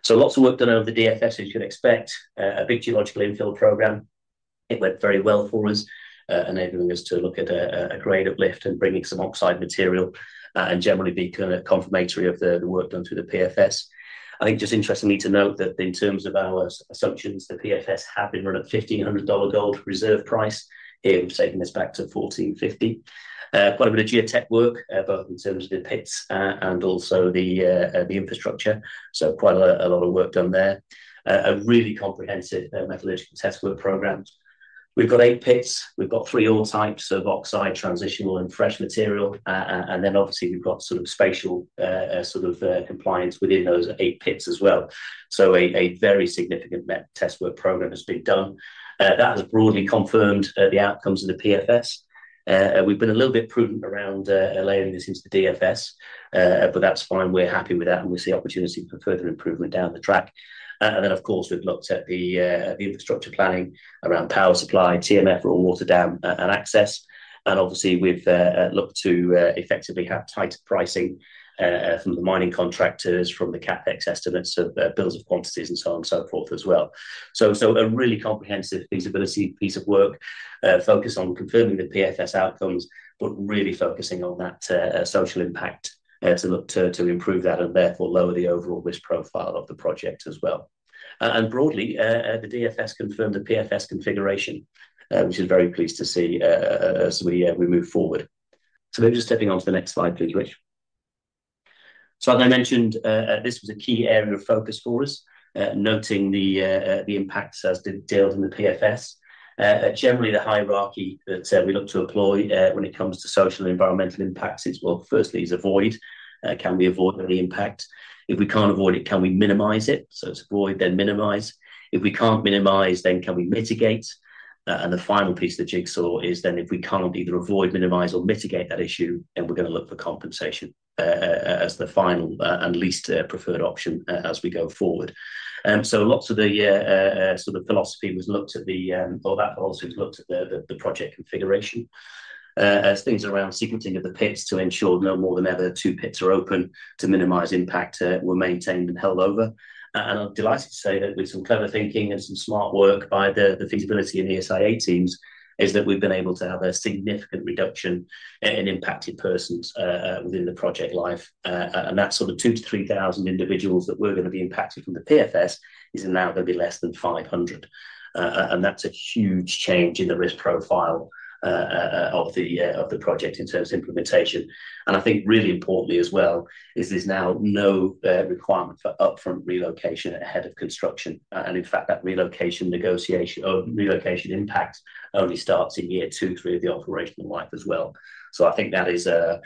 So lots of work done over the DFS, as you'd expect, a big geological infill program. It went very well for us, enabling us to look at a grade uplift and bringing some oxide material, and generally be kind of confirmatory of the work done through the PFS. I think just interestingly to note that in terms of our assumptions, the PFS had been run at $1,500 gold reserve price. Here, we're taking this back to $1,450. Quite a bit of geotech work, both in terms of the pits, and also the infrastructure, so quite a lot of work done there. A really comprehensive metallurgical test work program. We've got eight pits, we've got three ore types of oxide, transitional and fresh material, and then obviously, we've got sort of spatial sort of compliance within those eight pits as well. So a very significant metallurgical test work program has been done. That has broadly confirmed the outcomes of the PFS. We've been a little bit prudent around layering this into the DFS, but that's fine. We're happy with that, and we see opportunity for further improvement down the track. And then, of course, we've looked at the, the infrastructure planning around power supply, TMF, raw water dam, and access. And obviously, we've looked to effectively have tighter pricing from the mining contractors, from the CapEx estimates, of bills of quantities, and so on and so forth as well. So a really comprehensive feasibility piece of work focused on confirming the PFS outcomes, but really focusing on that social impact to look to to improve that, and therefore lower the overall risk profile of the project as well. And broadly, the DFS confirmed the PFS configuration, which is very pleased to see, as we, we move forward. So maybe just stepping on to the next slide, please, Rich. So as I mentioned, this was a key area of focus for us, noting the impacts as detailed in the PFS. Generally, the hierarchy that we look to employ when it comes to social and environmental impacts is, well, firstly, avoid. Can we avoid any impact? If we can't avoid it, can we minimize it? So it's avoid, then minimize. If we can't minimize, then can we mitigate? And the final piece of the jigsaw is then if we can't either avoid, minimize, or mitigate that issue, then we're gonna look for compensation as the final and least preferred option as we go forward. Well, that philosophy was looked at the project configuration. As things around sequencing of the pits to ensure no more than ever two pits are open to minimize impact were maintained and held over. And I'm delighted to say that with some clever thinking and some smart work by the feasibility and ESIA teams, is that we've been able to have a significant reduction in impacted persons within the project life. And that sort of 2,000 to 3,000 individuals that were gonna be impacted from the PFS is now gonna be less than 500. And that's a huge change in the risk profile of the project in terms of implementation. And I think really importantly as well, is there's now no requirement for upfront relocation ahead of construction. And in fact, that relocation negotiation or relocation impact only starts in year two or three of the operational life as well. So I think that is a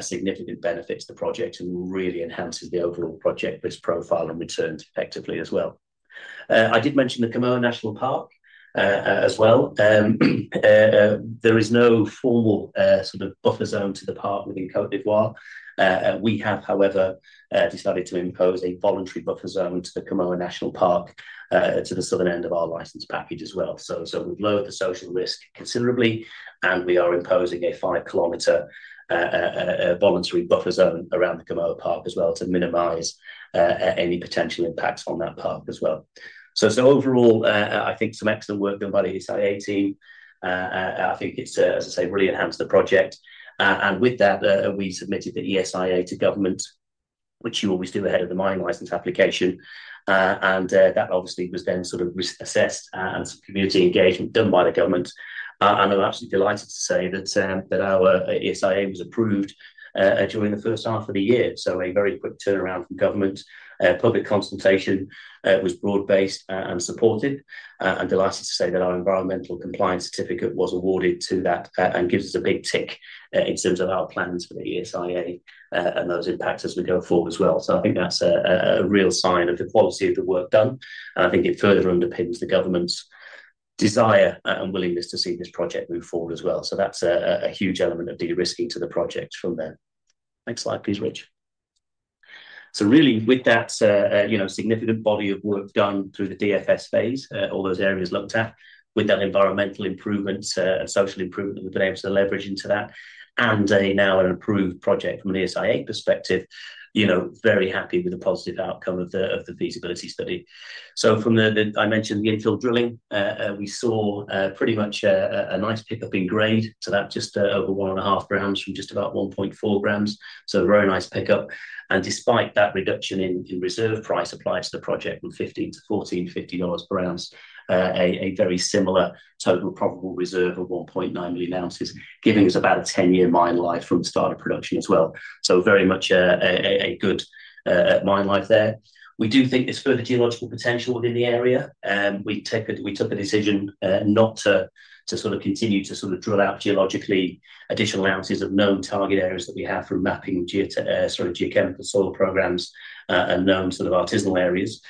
significant benefit to the project and really enhances the overall project risk profile and returns effectively as well. I did mention the Comoé National Park, as well. There is no formal, sort of buffer zone to the park within Côte d'Ivoire. We have, however, decided to impose a voluntary buffer zone to the Comoé National Park, to the southern end of our license package as well. So we've lowered the social risk considerably, and we are imposing a 5 km voluntary buffer zone around the Comoé Park as well to minimize any potential impacts on that park as well. So overall, I think some excellent work done by the ESIA team. I think it's, as I say, really enhanced the project. And with that, we submitted the ESIA to government, which you always do ahead of the mining license application. And that obviously was then sort of risk assessed, and some community engagement done by the government. And I'm absolutely delighted to say that that our ESIA was approved during the first half of the year, so a very quick turnaround from government. Public consultation was broad-based and supported. I'm delighted to say that our environmental compliance certificate was awarded to that, and gives us a big tick in terms of our plans for the ESIA, and those impacts as we go forward as well. So I think that's a real sign of the quality of the work done, and I think it further underpins the government's desire, and willingness to see this project move forward as well. So that's a huge element of de-risking to the project from there. Next slide, please, Rich. So really with that, you know, significant body of work done through the DFS phase, all those areas looked at, with that environmental improvements, and social improvement that we've been able to leverage into that, and now an approved project from an ESIA perspective, you know, very happy with the positive outcome of the feasibility study. I mentioned the infill drilling, we saw pretty much a nice pickup in grade, to about just over 1.5 grams from just about 1.4 grams, so a very nice pickup. And despite that reduction in reserve price applied to the project from $15 to 14.15 per ounce, a very similar total probable reserve of 1.9 million ounces, giving us about a 10-year mine life from the start of production as well. So very much a good mine life there. We do think there's further geological potential within the area. We took a decision not to sort of continue to sort of drill out geologically additional ounces of known target areas that we have from mapping geo to, sorry, geochemical soil programs, and known sort of artisanal areas.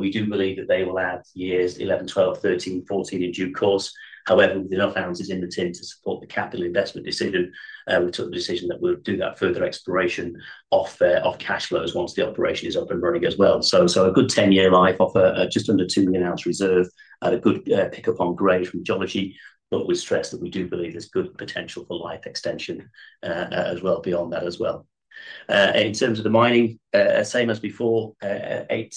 We do believe that they will add years 11, 12, 13, 14 in due course. However, with enough ounces in the mine to support the capital investment decision, we took the decision that we'll do that further exploration off cash flows once the operation is up and running as well. So a good 10-year life off a just under 2 million ounce reserve, at a good pickup on grade from geology, but we stress that we do believe there's good potential for life extension, as well, beyond that as well. In terms of the mining, same as before, eight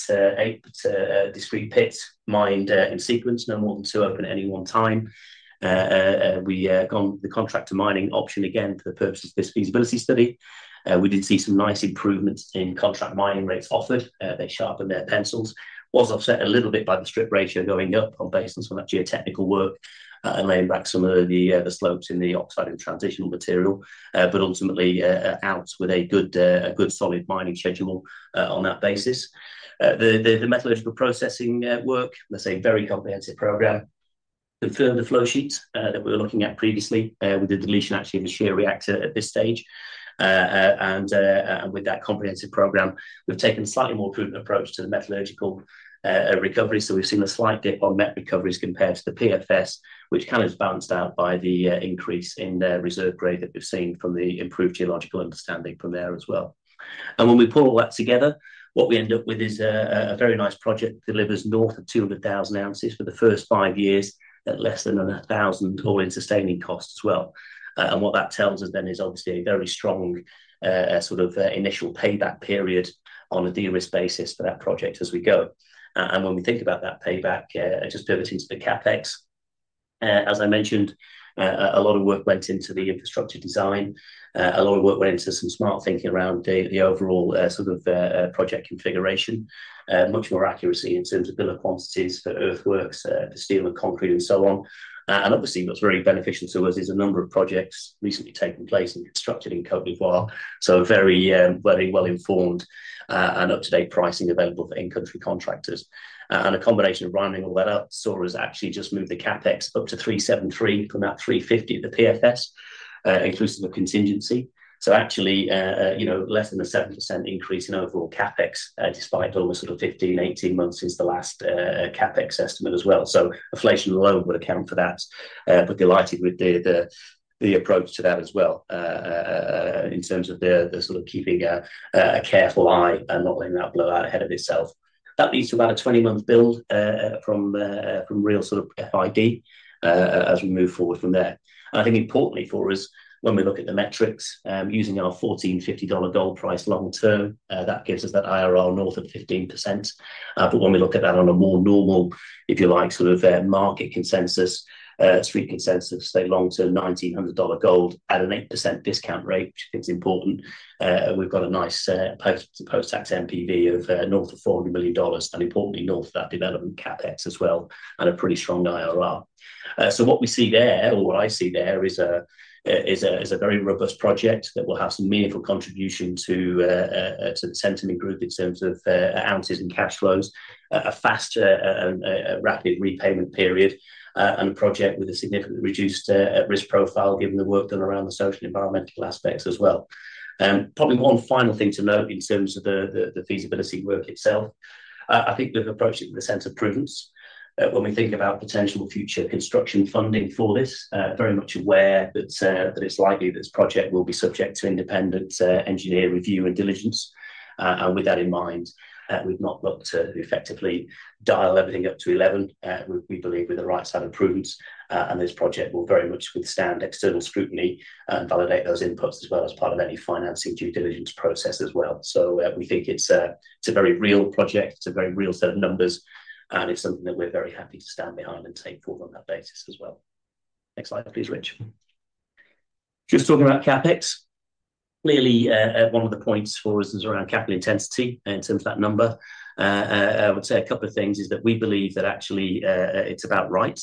discrete pits mined in sequence, no more than two open at any one time. We've gone with the contract mining option again for the purposes of this feasibility study. We did see some nice improvements in contract mining rates offered, they sharpened their pencils. It was offset a little bit by the strip ratio going up on the basis from that geotechnical work, and laying back some of the slopes in the oxide and transitional material. But ultimately, out with a good, a good solid mining schedule on that basis. The metallurgical processing work, let's say, a very comprehensive program. Confirmed the flow sheets that we were looking at previously, with the deletion actually of the shear reactor at this stage. And with that comprehensive program, we've taken a slightly more prudent approach to the metallurgical recovery. So we've seen a slight dip on met recoveries compared to the PFS, which kind of is balanced out by the increase in the reserve grade that we've seen from the improved geological understanding from there as well. When we pull all that together, what we end up with is a very nice project, delivers north of 200,000 ounces for the first five years, at less than $1,000 All-In Sustaining Costs as well. And what that tells us then is obviously a very strong sort of initial payback period on a de-risk basis for that project as we go. And when we think about that payback, just pivoting to the CapEx, as I mentioned, a lot of work went into the infrastructure design. A lot of work went into some smart thinking around the overall sort of project configuration. Much more accuracy in terms of bill of quantities for earthworks, for steel and concrete, and so on. And obviously, what's very beneficial to us is a number of projects recently taken place and constructed in Côte d'Ivoire, so very, very well-informed, and up-to-date pricing available for in-country contractors. And a combination of rounding all that up, so ours actually just moved the CapEx up to $373 from that $350, the PFS, inclusive of contingency. So actually, you know, less than a 7% increase in overall CapEx, despite all the sort of 15, 18 months since the last, CapEx estimate as well. So inflation alone would account for that, but delighted with the approach to that as well, in terms of the sort of keeping a careful eye and not letting that blow out ahead of itself. That leads to about a 20-month build, from real sort of FID, as we move forward from there. I think importantly for us, when we look at the metrics, using our $1,450 gold price long term, that gives us that IRR north of 15%. But when we look at that on a more normal, if you like, sort of, market consensus, Street consensus, say long-term $1,900 gold at an 8% discount rate, which I think is important, we've got a nice, post-tax NPV of, north of $400 million, and importantly, north of that development CapEx as well, and a pretty strong IRR. So what we see there, or what I see there is a very robust project that will have some meaningful contribution to the Centamin group in terms of ounces and cash flows. A faster rapid repayment period, and a project with a significantly reduced risk profile, given the work done around the social and environmental aspects as well. Probably one final thing to note in terms of the feasibility work itself, I think we've approached it with a sense of prudence. When we think about potential future construction funding for this, very much aware that it's likely this project will be subject to independent engineer review and diligence. And with that in mind, we've not looked to effectively dial everything up to eleven. We, we believe we're the right side of prudence, and this project will very much withstand external scrutiny and validate those inputs as well as part of any financing due diligence process as well. So, we think it's a, it's a very real project, it's a very real set of numbers, and it's something that we're very happy to stand behind and take forward on that basis as well. Next slide, please, Rich. Just talking about CapEx. Clearly, one of the points for us is around capital intensity in terms of that number. I would say a couple of things is that we believe that actually, it's about right,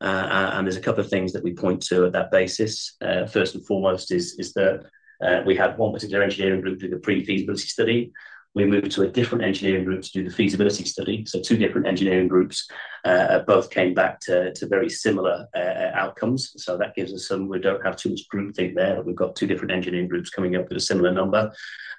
and there's a couple of things that we point to at that basis. First and foremost is that we had one particular engineering group do the pre-feasibility study. We moved to a different engineering group to do the feasibility study. So two different engineering groups both came back to very similar outcomes. So that gives us some. We don't have too much groupthink there. We've got two different engineering groups coming up with a similar number.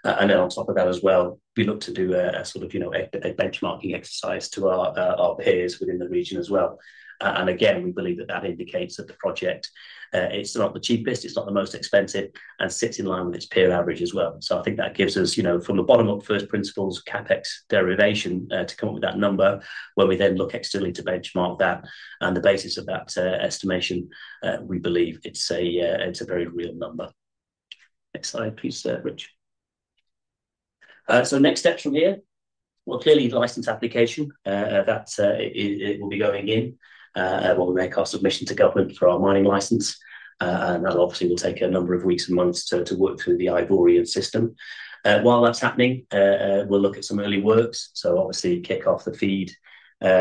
And then on top of that as well, we look to do a sort of, you know, benchmarking exercise to our peers within the region as well. And again, we believe that that indicates that the project, it's not the cheapest, it's not the most expensive, and sits in line with its peer average as well. So I think that gives us, you know, from the bottom-up first principles, CapEx derivation, to come up with that number, where we then look externally to benchmark that. On the basis of that, estimation, we believe it's a, it's a very real number. Next slide, please, Rich. So next steps from here. Well, clearly, the license application, that, it, it will be going in, when we make our submission to government for our mining license. And that obviously will take a number of weeks and months to, to work through the Ivorian system. While that's happening, we'll look at some early works, so obviously kick off the FEED,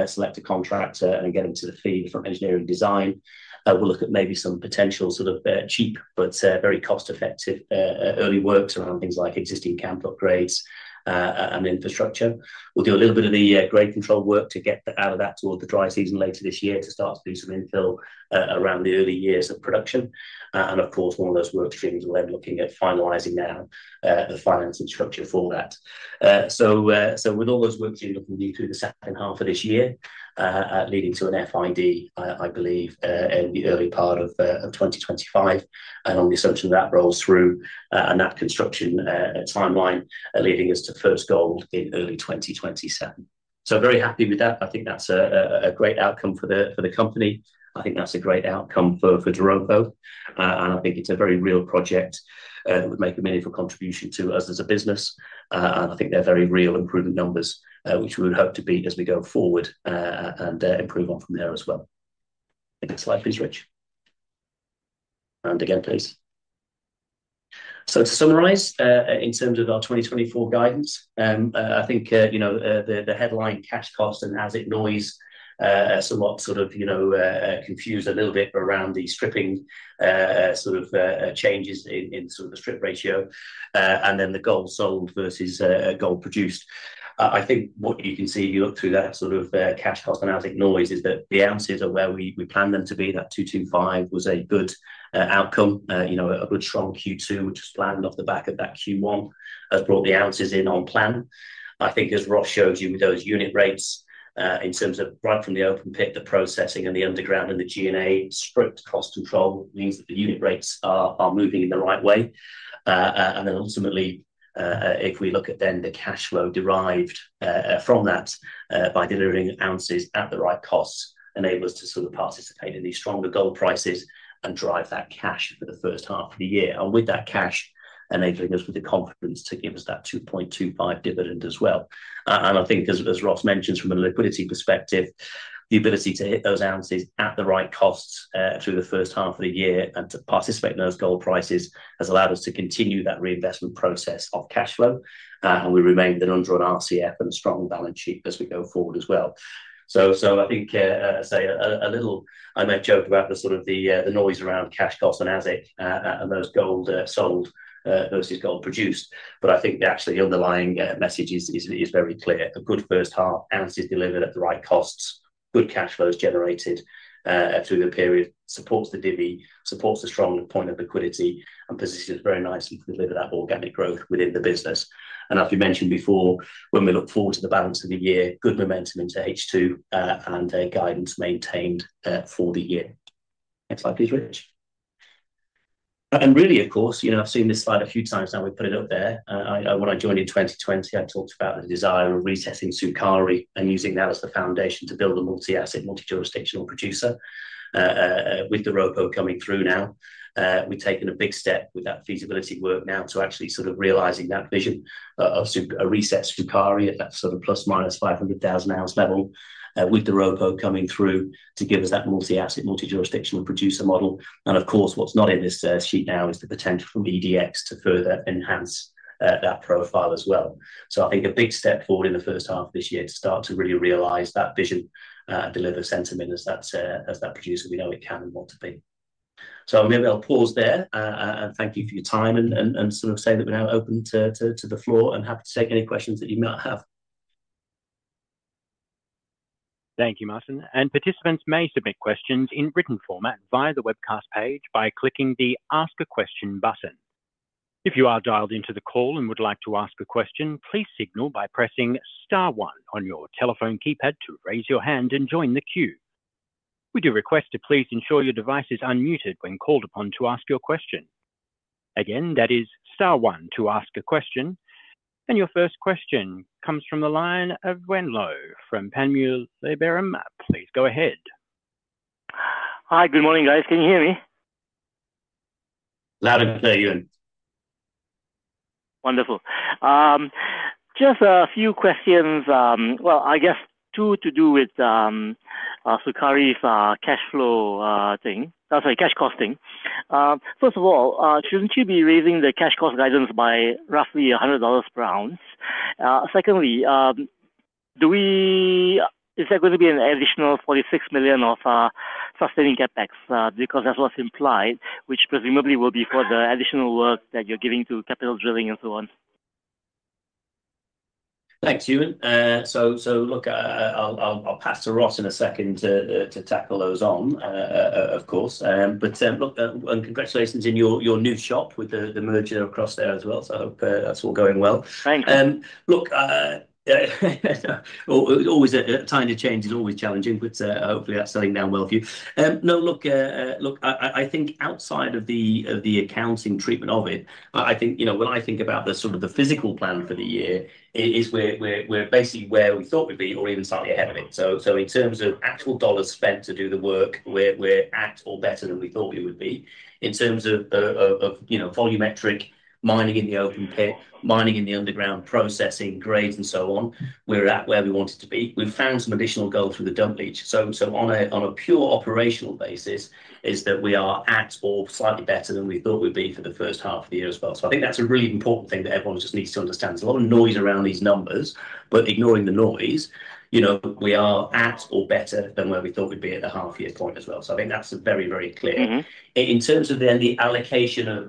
select a contractor, and get into the FEED for engineering design. We'll look at maybe some potential sort of cheap but very cost-effective early works around things like existing camp upgrades and infrastructure. We'll do a little bit of the grade control work to get out of that toward the dry season later this year to start to do some infill around the early years of production. And of course, all those work streams, we're then looking at finalizing now the financing structure for that. So, so with all those work streams looking due through the second half of this year, leading to an FID, I believe, in the early part of of 2025. And on the assumption that rolls through and that construction timeline leading us to first gold in early 2027. So very happy with that. I think that's a great outcome for the company. I think that's a great outcome for Doropo. And I think it's a very real project that would make a meaningful contribution to us as a business. And I think they're very real improving numbers, which we would hope to beat as we go forward and improve on from there as well. Next slide, please, Rich. And again, please. So to summarize, in terms of our 2024 guidance, I think, you know, the, the headline cash cost and AISC noise, somewhat sort of, you know, confused a little bit around the stripping, sort of, changes in, in sort of the strip ratio, and then the gold sold versus, gold produced. I think what you can see, if you look through that sort of, cash cost and noise, is that the ounces are where we, we planned them to be. That 225 was a good, outcome. You know, a good strong Q2, which was planned off the back of that Q1, has brought the ounces in on plan. I think as Ross showed you with those unit rates, in terms of right from the open pit, the processing and the underground, and the G&A, strict cost control means that the unit rates are moving in the right way. And then ultimately, if we look at then the cash flow derived from that by delivering ounces at the right costs, enable us to sort of participate in these stronger gold prices and drive that cash for the first half of the year. And with that cash, enabling us with the confidence to give us that $2.25 dividend as well. And I think, as Ross mentioned, from a liquidity perspective, the ability to hit those ounces at the right costs through the first half of the year and to participate in those gold prices, has allowed us to continue that reinvestment process of cash flow. And we remain an undrawn RCF and a strong balance sheet as we go forward as well. So I think I made a joke about the sort of the noise around cash costs and AISC and those gold sold versus gold produced. But I think the actually underlying message is very clear. A good first half, ounces delivered at the right costs, good cash flows generated, through the period, supports the divvy, supports a strong point of liquidity, and positions very nicely to deliver that organic growth within the business. And as we mentioned before, when we look forward to the balance of the year, good momentum into H2, and a guidance maintained, for the year. Next slide, please, Rich. And really, of course, you know, I've seen this slide a few times now. We've put it up there. I, when I joined in 2020, I talked about the desire of resetting Sukari and using that as the foundation to build a multi-asset, multi-jurisdictional producer. With the Doropo coming through now, we've taken a big step with that feasibility work now to actually sort of realizing that vision of a reset Sukari at that sort of ±500,000 ounce level, with the Doropo coming through to give us that multi-asset, multi-jurisdictional producer model. And of course, what's not in this sheet now is the potential from EDX to further enhance that profile as well. So I think a big step forward in the first half of this year to start to really realize that vision, deliver Centamin as that, as that producer we know it can and want to be. Maybe I'll pause there, and thank you for your time and sort of say that we're now open to the floor, and happy to take any questions that you might have. Thank you, Martin. Participants may submit questions in written format via the webcast page by clicking the Ask a Question button. If you are dialed into the call and would like to ask a question, please signal by pressing star one on your telephone keypad to raise your hand and join the queue. We do request to please ensure your device is unmuted when called upon to ask your question. Again, that is star one to ask a question. Your first question comes from the line of Yuen Low from Panmure Gordon. Please go ahead. Hi, good morning, guys. Can you hear me? Loud and clear, Yuen. Wonderful. Just a few questions. Well, I guess two to do with Sukari's cash flow thing. Oh, sorry, cash costing. First of all, shouldn't you be raising the cash cost guidance by roughly $100 per ounce? Secondly, is there going to be an additional $46 million of sustaining CapEx? Because that's what's implied, which presumably will be for the additional work that you're giving to Capital Drilling and so on. Thanks, Yuen. So look, I'll pass to Ross in a second to tackle those on, of course. But look, and congratulations in your new shop with the merger across there as well. So I hope that's all going well. Thank you. Look, always a time of change is always challenging, but hopefully that's settling down well for you. No, look, I think outside of the accounting treatment of it, I think. You know, when I think about the sort of the physical plan for the year, we're basically where we thought we'd be or even slightly ahead of it. So in terms of actual dollars spent to do the work, we're at or better than we thought we would be. In terms of, you know, volumetric mining in the open pit, mining in the underground, processing, grades, and so on, we're at where we wanted to be. We've found some additional gold through the dump leach. So on a pure operational basis, that is we are at or slightly better than we thought we'd be for the first half of the year as well. So I think that's a really important thing that everyone just needs to understand. There's a lot of noise around these numbers, but ignoring the noise, you know, we are at or better than where we thought we'd be at the half-year point as well. So I think that's very, very clear. Mm-hmm. In terms of the allocation of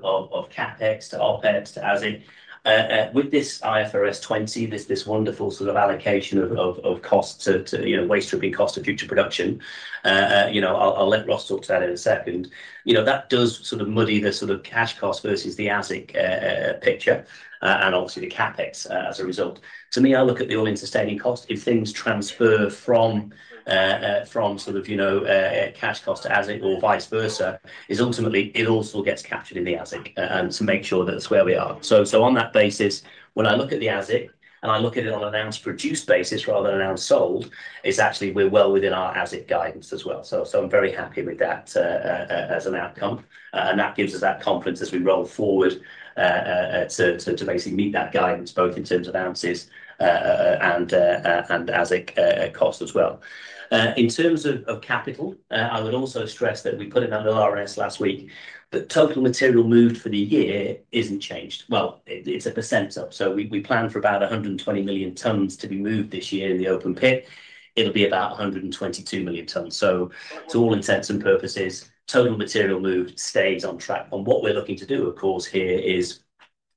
CapEx to OpEx to AISC, with this IFRS 20, there's this wonderful sort of allocation of costs to, you know, waste or cost of future production. You know, I'll let Ross talk to that in a second. You know, that does sort of muddy the sort of cash cost versus the AISC picture, and obviously the CapEx as a result. To me, I look at the all-in sustaining cost. If things transfer from sort of, you know, cash cost to AISC or vice versa, is ultimately it also gets captured in the AISC, and to make sure that it's where we are. So on that basis, when I look at the AISC, and I look at it on an ounce produced basis rather than an ounce sold, it's actually we're well within our AISC guidance as well. So I'm very happy with that as an outcome. And that gives us that confidence as we roll forward to basically meet that guidance, both in terms of ounces and AISC cost as well. In terms of capital, I would also stress that we put in that RNS last week, that total material moved for the year isn't changed. Well, it's 1% up, so we plan for about 120 million tons to be moved this year in the open pit. It'll be about 122 million tons. So to all intents and purposes, total material moved stays on track. And what we're looking to do, of course, here is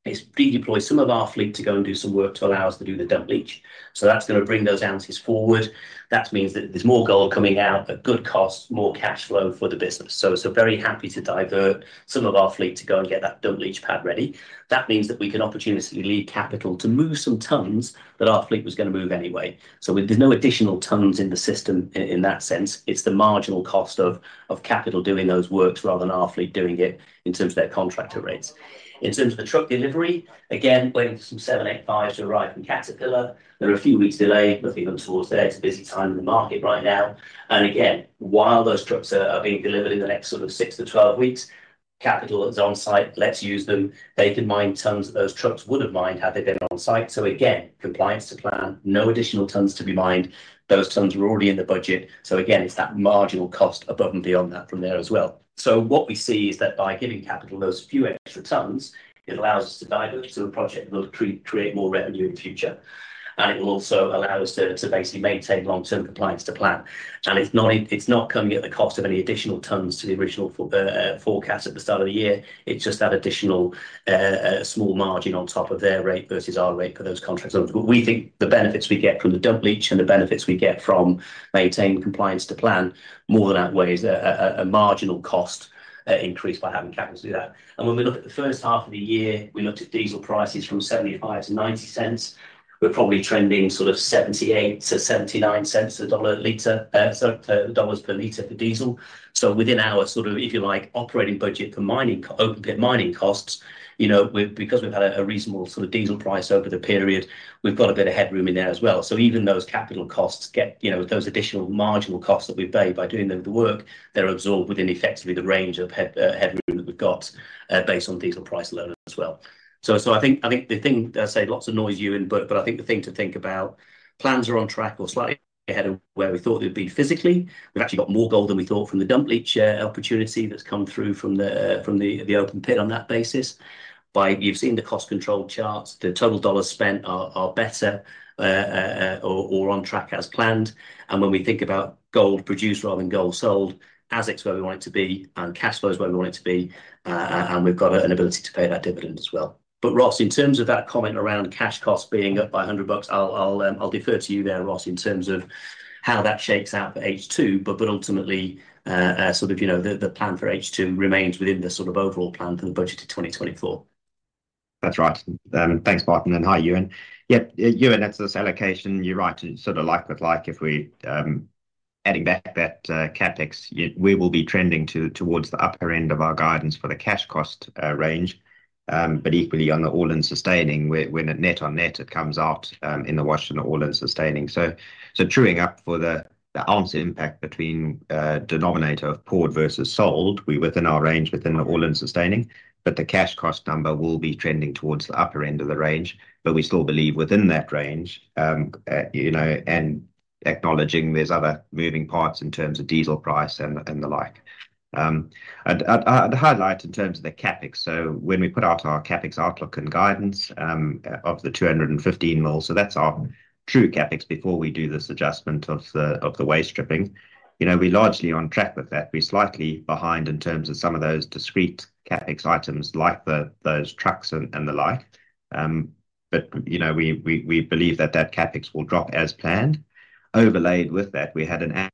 to redeploy some of our fleet to go and do some work to allow us to do the dump leach. So that's gonna bring those ounces forward. That means that there's more gold coming out at good cost, more cash flow for the business. So, so very happy to divert some of our fleet to go and get that dump leach pad ready. That means that we can opportunistically lead capital to move some tons that our fleet was gonna move anyway. So there's no additional tons in the system in that sense. It's the marginal cost of capital doing those works rather than our fleet doing it in terms of their contractor rates. In terms of the truck delivery, again, waiting for some 785s to arrive from Caterpillar. There are a few weeks delay looking towards there. It's a busy time in the market right now. And again, while those trucks are being delivered in the next sort of 6 to 12 weeks, Capital is on site, let's use them. They can mine tons those trucks would have mined had they been on site. So again, compliance to plan, no additional tons to be mined. Those tons were already in the budget. So again, it's that marginal cost above and beyond that from there as well. So what we see is that by giving Capital those few extra tons, it allows us to divert to a project that will create more revenue in future. And it will also allow us to basically maintain long-term compliance to plan. It's not, it's not coming at the cost of any additional tons to the original forecast at the start of the year. It's just that additional small margin on top of their rate versus our rate for those contract tons. But we think the benefits we get from the dump leach and the benefits we get from maintaining compliance to plan more than outweighs a marginal cost increase by having Capital do that. When we look at the first half of the year, we looked at diesel prices from $0.75 to 0.90. We're probably trending sort of $0.78 to 0.79 a dollar a liter, so dollars per liter for diesel. So within our sort of, if you like, operating budget for open pit mining costs, you know, we, because we've had a reasonable sort of diesel price over the period, we've got a bit of headroom in there as well. So even those capital costs get, you know, those additional marginal costs that we pay by doing the work, they're absorbed within effectively the range of headroom that we've got based on diesel price alone as well. So, so I think, I think the thing, as I say, lots of noise, Yuen, but, but I think the thing to think about, plans are on track or slightly ahead of where we thought they'd be physically. We've actually got more gold than we thought from the dump leach opportunity that's come through from the open pit on that basis. You've seen the cost control charts. The total dollars spent are better or on track as planned. And when we think about gold produced rather than gold sold, AISC's where we want it to be, and cash flow is where we want it to be, and we've got an ability to pay that dividend as well. But Ross, in terms of that comment around cash cost being up by $100, I'll defer to you there, Ross, in terms of how that shakes out for H2. But ultimately, sort of, you know, the plan for H2 remains within the sort of overall plan for the budget of 2024. That's right. And thanks, Martin, and hi, Yuen. Yeah, Yuen, that's this allocation. You're right, to sort of like with like if we adding back that CapEx, we will be trending towards the upper end of our guidance for the cash cost range. But equally on the all-in sustaining, where when it net on net, it comes out in the wash on the all-in sustaining. So, so truing up for the the ounce impact between denominator of poured versus sold, we're within our range within the all-in sustaining, but the cash cost number will be trending towards the upper end of the range. But we still believe within that range, you know, and acknowledging there's other moving parts in terms of diesel price and the like. The highlight in terms of the CapEx, so when we put out our CapEx outlook and guidance, of the $215 million, so that's our true CapEx before we do this adjustment of the waste stripping. You know, we're largely on track with that. We're slightly behind in terms of some of those discrete CapEx items, like those trucks and the like. But, you know, we believe that that CapEx will drop as planned. Overlaid with that, we had an analyzed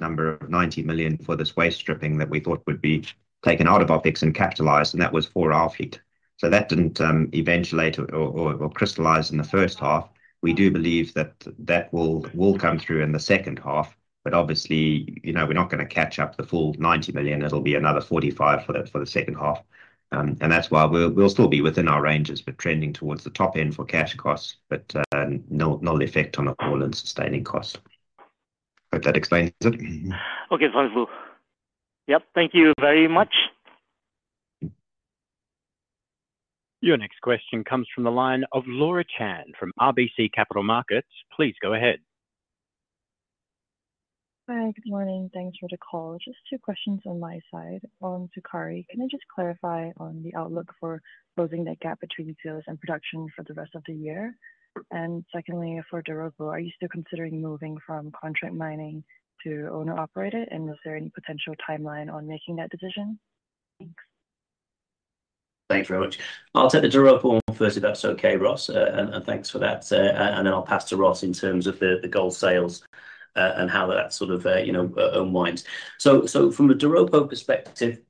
number of $90 million for this waste stripping that we thought would be taken out of OpEx and capitalized, and that was for our fleet. So that didn't eventuate or crystallize in the first half. We do believe that will come through in the second half, but obviously, you know, we're not gonna catch up the full $90 million. It'll be another $45 million for the second half. And that's why we'll still be within our ranges, but trending towards the top end for cash costs, but no effect on our all-in sustaining costs. Hope that explains it. Okay, wonderful. Yep, thank you very much. Your next question comes from the line of Laura Chan from RBC Capital Markets. Please go ahead. Hi, good morning. Thanks for the call. Just two questions on my side. On Sukari, can I just clarify on the outlook for closing that gap between sales and production for the rest of the year? And secondly, for Doropo, are you still considering moving from contract mining to owner-operated, and is there any potential timeline on making that decision? Thanks. Thanks very much. I'll take the Doropo one first, if that's okay, Ross, and thanks for that. And then I'll pass to Ross in terms of the gold sales, and how that sort of, you know, unwinds. So from a Doropo perspective.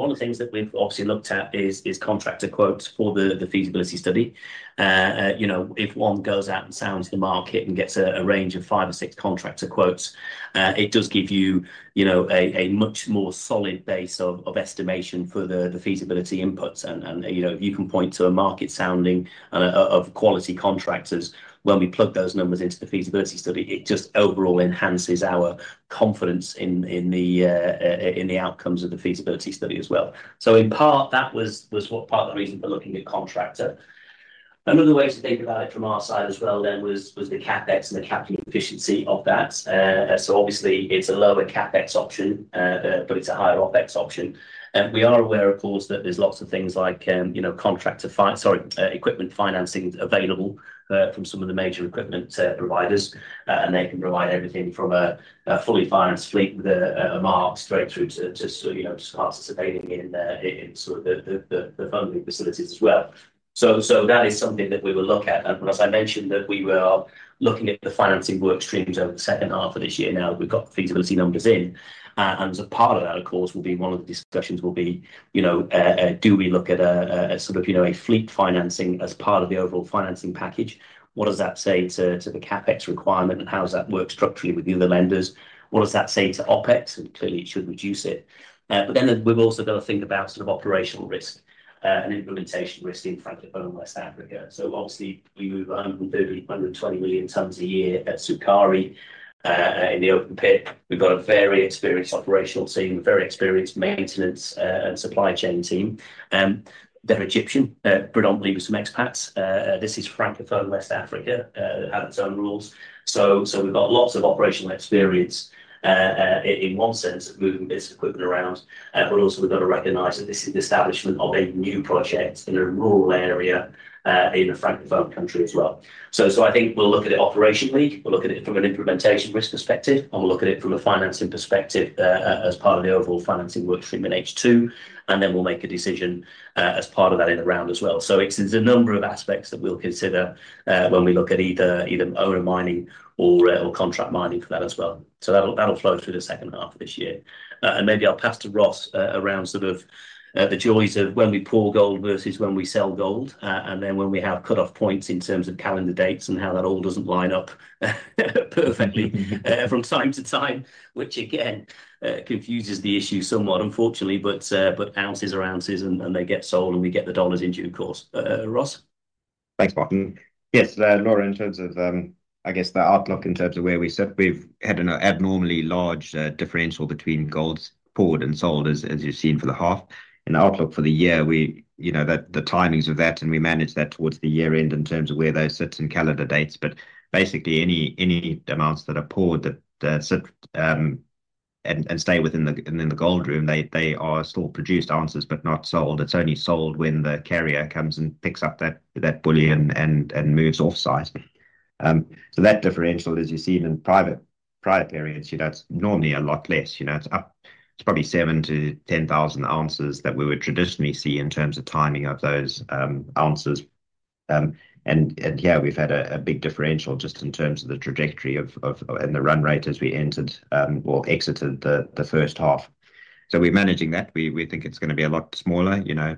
One of the things that we've obviously looked at is contractor quotes for the feasibility study. You know, if one goes out and sounds the market and gets a range of five or six contractor quotes, it does give you, you know, a much more solid base of estimation for the feasibility inputs. You know, if you can point to a market sounding and of quality contractors, when we plug those numbers into the feasibility study, it just overall enhances our confidence in, in the, in the outcomes of the feasibility study as well. So in part, that was what part of the reason for looking at contractor. Another way to think about it from our side as well, then, was the CapEx and the capital efficiency of that. So obviously it's a lower CapEx option, but it's a higher OpEx option. And we are aware, of course, that there's lots of things like, you know, contractor equipment financing available, from some of the major equipment providers. And they can provide everything from a fully financed fleet with a mark straight through to, you know, just participating in sort of the funding facilities as well. So that is something that we will look at. And as I mentioned, that we were looking at the financing work streams over the second half of this year, now that we've got the feasibility numbers in. And as a part of that, of course, will be, one of the discussions will be, you know, do we look at a sort of a fleet financing as part of the overall financing package? What does that say to the CapEx requirement, and how does that work structurally with the other lenders? What does that say to OpEx? And clearly, it should reduce it. But then we've also got to think about sort of operational risk and implementation risk in Francophone West Africa. So obviously, we move 130, 120 million tons a year at Sukari in the open pit. We've got a very experienced operational team, a very experienced maintenance and supply chain team. They're Egyptian, predominantly with some expats. This is Francophone West Africa, have its own rules. So, so we've got lots of operational experience in, in one sense of moving this equipment around. But also we've got to recognize that this is the establishment of a new project in a rural area in a Francophone country as well. So, so I think we'll look at it operationally. We'll look at it from an implementation risk perspective, and we'll look at it from a financing perspective, as part of the overall financing work stream in H2, and then we'll make a decision, as part of that in the round as well. So it's, there's a number of aspects that we'll consider, when we look at either owner mining or contract mining for that as well. So that'll flow through the second half of this year. And maybe I'll pass to Ross, around sort of, the joys of when we pour gold versus when we sell gold. And then when we have cut-off points in terms of calendar dates and how that all doesn't line up perfectly, from time to time, which again confuses the issue somewhat, unfortunately. But ounces are ounces, and they get sold, and we get the dollars into, of course. Ross? Thanks, Martin. Yes, Laura, in terms of, I guess, the outlook in terms of where we sit, we've had an abnormally large differential between gold poured and sold, as you've seen for the half. And the outlook for the year, you know, the timings of that, and we manage that towards the year end in terms of where those sit in calendar dates. But basically, any amounts that are poured that sit and stay within the gold room, they are still produced ounces, but not sold. It's only sold when the carrier comes and picks up that bullion and moves offsite. So that differential, as you see it in private areas, you know, it's normally a lot less. You know, it's up. It's probably 7,000 to 10,000 ounces that we would traditionally see in terms of timing of those ounces. And yeah, we've had a big differential just in terms of the trajectory and the run rate as we entered or exited the first half. So we're managing that. We think it's gonna be a lot smaller, you know,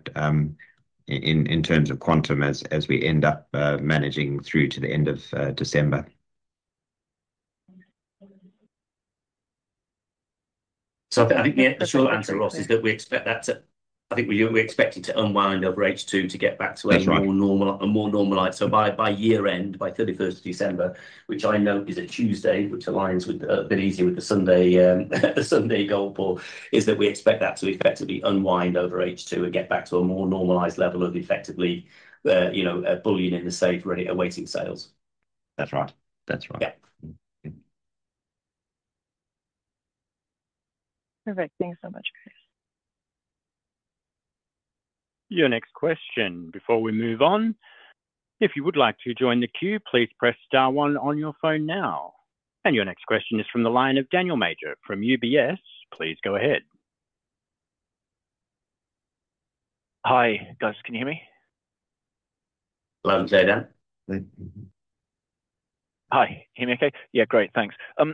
in terms of quantum as we end up managing through to the end of December. I think the short answer, Ross, is that we expect that to. I think we expect it to unwind over H2 to get back to- That's right -a more normal, a more normalized. So by, by year end, by 31st December, which I know is a Tuesday, which aligns with, a bit easier with the Sunday, the Sunday gold pour, is that we expect that to effectively unwind over H2 and get back to a more normalized level of effectively, you know, bullion in the safe ready awaiting sales. That's right. That's right. Yeah. Perfect. Thank you so much, guys. Your next question. Before we move on, if you would like to join the queue, please press star one on your phone now. Your next question is from the line of Daniel Major from UBS. Please go ahead. Hi, guys. Can you hear me? Hello. Say, Dan. Mm-hmm. Hi. Can you hear me okay? Yeah, great, thanks. So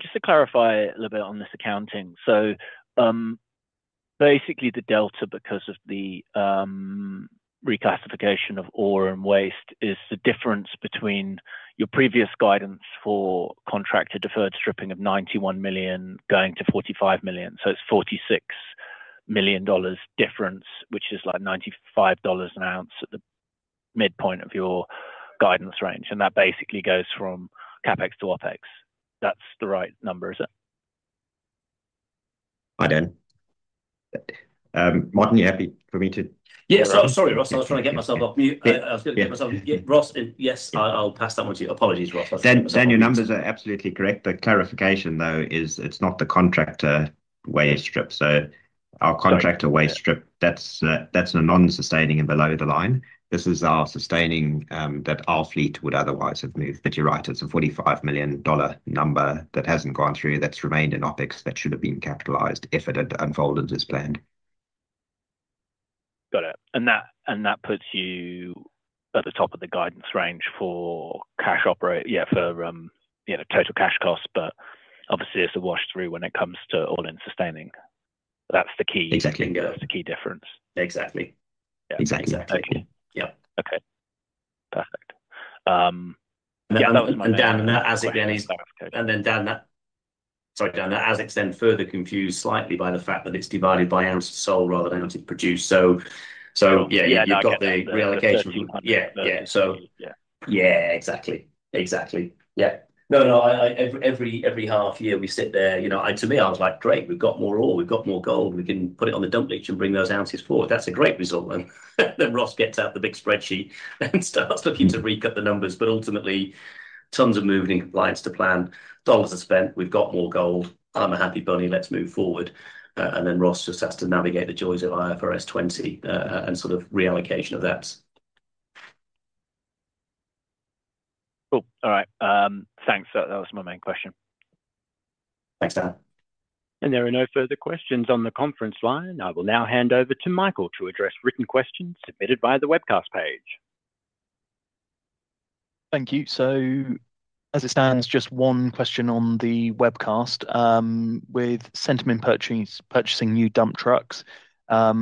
just to clarify a little bit on this accounting. So, basically, the delta, because of the, reclassification of ore and waste, is the difference between your previous guidance for contractor deferred stripping of $91 million going to $45 million. So it's $46 million dollars difference, which is like $95 an ounce at the midpoint of your guidance range, and that basically goes from CapEx to OpEx. That's the right number, is it? Hi, Dan. Martin, are you happy for me to- Yeah. So sorry, Ross. I was trying to get myself off mute. Yeah. Ross, yes, I'll pass that on to you. Apologies, Ross. Dan, Dan, your numbers are absolutely correct. The clarification, though, is it's not the contractor waste strip. So our contractor waste strip, that's, that's a non-sustaining and below the line. This is our sustaining, that our fleet would otherwise have moved. But you're right, it's a $45 million number that hasn't gone through, that's remained in OpEx that should have been capitalized if it had unfolded as planned. Got it. And that, and that puts you at the top of the guidance range for cash operate- yeah, for, you know, total cash costs, but obviously it's a wash through when it comes to all-in sustaining. That's the key- Exactly. That's the key difference. Exactly. Yeah. Exactly. Okay. Yep. Okay, perfect. Yeah, that was my- And then, Dan, sorry, Dan, that AISC then is further confused slightly by the fact that it's divided by ounces sold rather than ounces produced. So, yeah, yeah, you've got the reallocation. Yeah. Yeah. So- Yeah. Yeah, exactly. Exactly. Yeah. No, no, I every half year we sit there, you know, and to me, I was like, "Great, we've got more ore, we've got more gold. We can put it on the dump ditch and bring those ounces forward. That's a great result." Then Ross gets out the big spreadsheet and starts looking to recut the numbers, but ultimately, tons are moving in compliance to plan. Dollars are spent, we've got more gold. I'm a happy bunny, let's move forward. And then Ross just has to navigate the joys of IFRS 20 and sort of reallocation of that. Cool. All right, thanks. That was my main question. Thanks, Dan. There are no further questions on the conference line. I will now hand over to Michael to address written questions submitted via the webcast page. Thank you. So as it stands, just one question on the webcast. With sentiment purchasing new dump trucks, are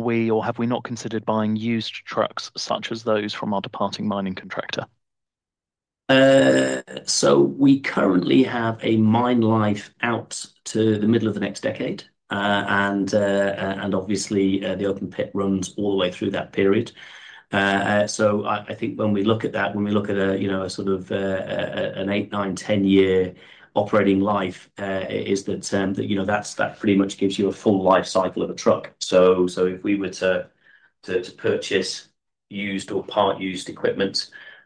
we or have we not considered buying used trucks, such as those from our departing mining contractor? So we currently have a mine life out to the middle of the next decade. And obviously, the open pit runs all the way through that period. So I think when we look at that, when we look at a, you know, a sort of, an 8-10-year operating life, is that, you know, that's, that pretty much gives you a full life cycle of a truck. So if we were to purchase used or part used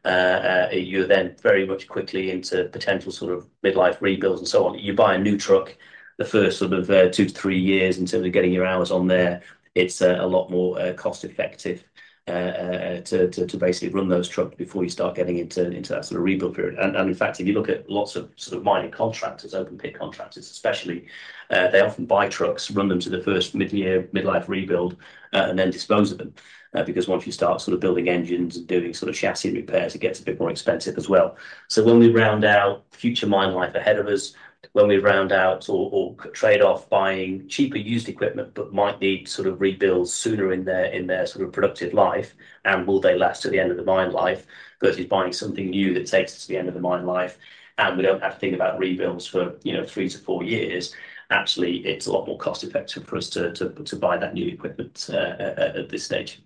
equipment, you're then very much quickly into potential sort of mid-life rebuilds and so on. You buy a new truck, the first sort of two to three years in terms of getting your hours on there, it's a lot more cost effective to basically run those trucks before you start getting into that sort of rebuild period. And in fact, if you look at lots of sort of mining contractors, open pit contractors especially, they often buy trucks, run them to the first mid-year, midlife rebuild, and then dispose of them. Because once you start sort of building engines and doing sort of chassis repairs, it gets a bit more expensive as well. So when we round out future mine life ahead of us, when we round out or trade off buying cheaper used equipment, but might need sort of rebuilds sooner in their, in their sort of productive life, and will they last to the end of the mine life, versus buying something new that takes us to the end of the mine life, and we don't have to think about rebuilds for, you know, three to four years, actually, it's a lot more cost-effective for us to buy that new equipment at this stage.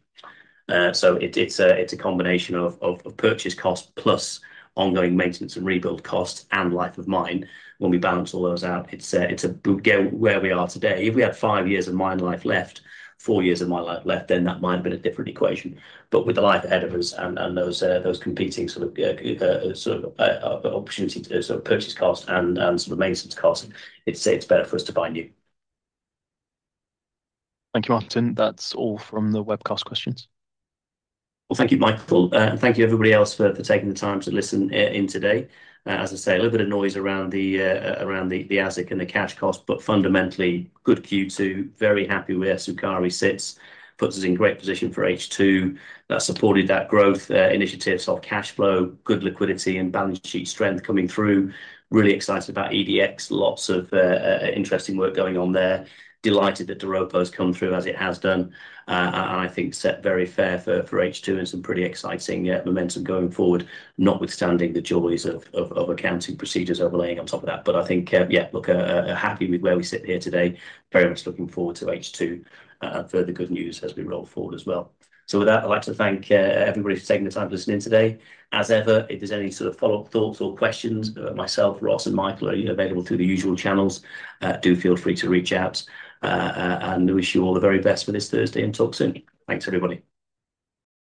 So it's a combination of purchase cost plus ongoing maintenance and rebuild costs and life of mine. When we balance all those out, it's a get where we are today. If we had five years of mine life left, four years of mine life left, then that might have been a different equation. But with the life ahead of us and those competing sort of opportunity to sort of purchase cost and sort of maintenance cost, it's better for us to buy new. Thank you, Martin. That's all from the webcast questions. Well, thank you, Michael. Thank you everybody else for, for taking the time to listen in today. As I say, a little bit of noise around the, around the, the AISC and the cash cost, but fundamentally, good Q2, very happy where Sukari sits. Puts us in great position for H2 that supported that growth initiatives of cash flow, good liquidity and balance sheet strength coming through. Really excited about EDX. Lots of interesting work going on there. Delighted that the Doropo has come through as it has done, and I think set very fair for H2 and some pretty exciting momentum going forward, notwithstanding the joys of accounting procedures overlaying on top of that. But I think, yeah, look, happy with where we sit here today. Very much looking forward to H2 and further good news as we roll forward as well. So with that, I'd like to thank everybody for taking the time to listen in today. As ever, if there's any sort of follow-up thoughts or questions, myself, Ross, and Michael are available through the usual channels. Do feel free to reach out, and we wish you all the very best for this Thursday, and talk soon. Thanks, everybody.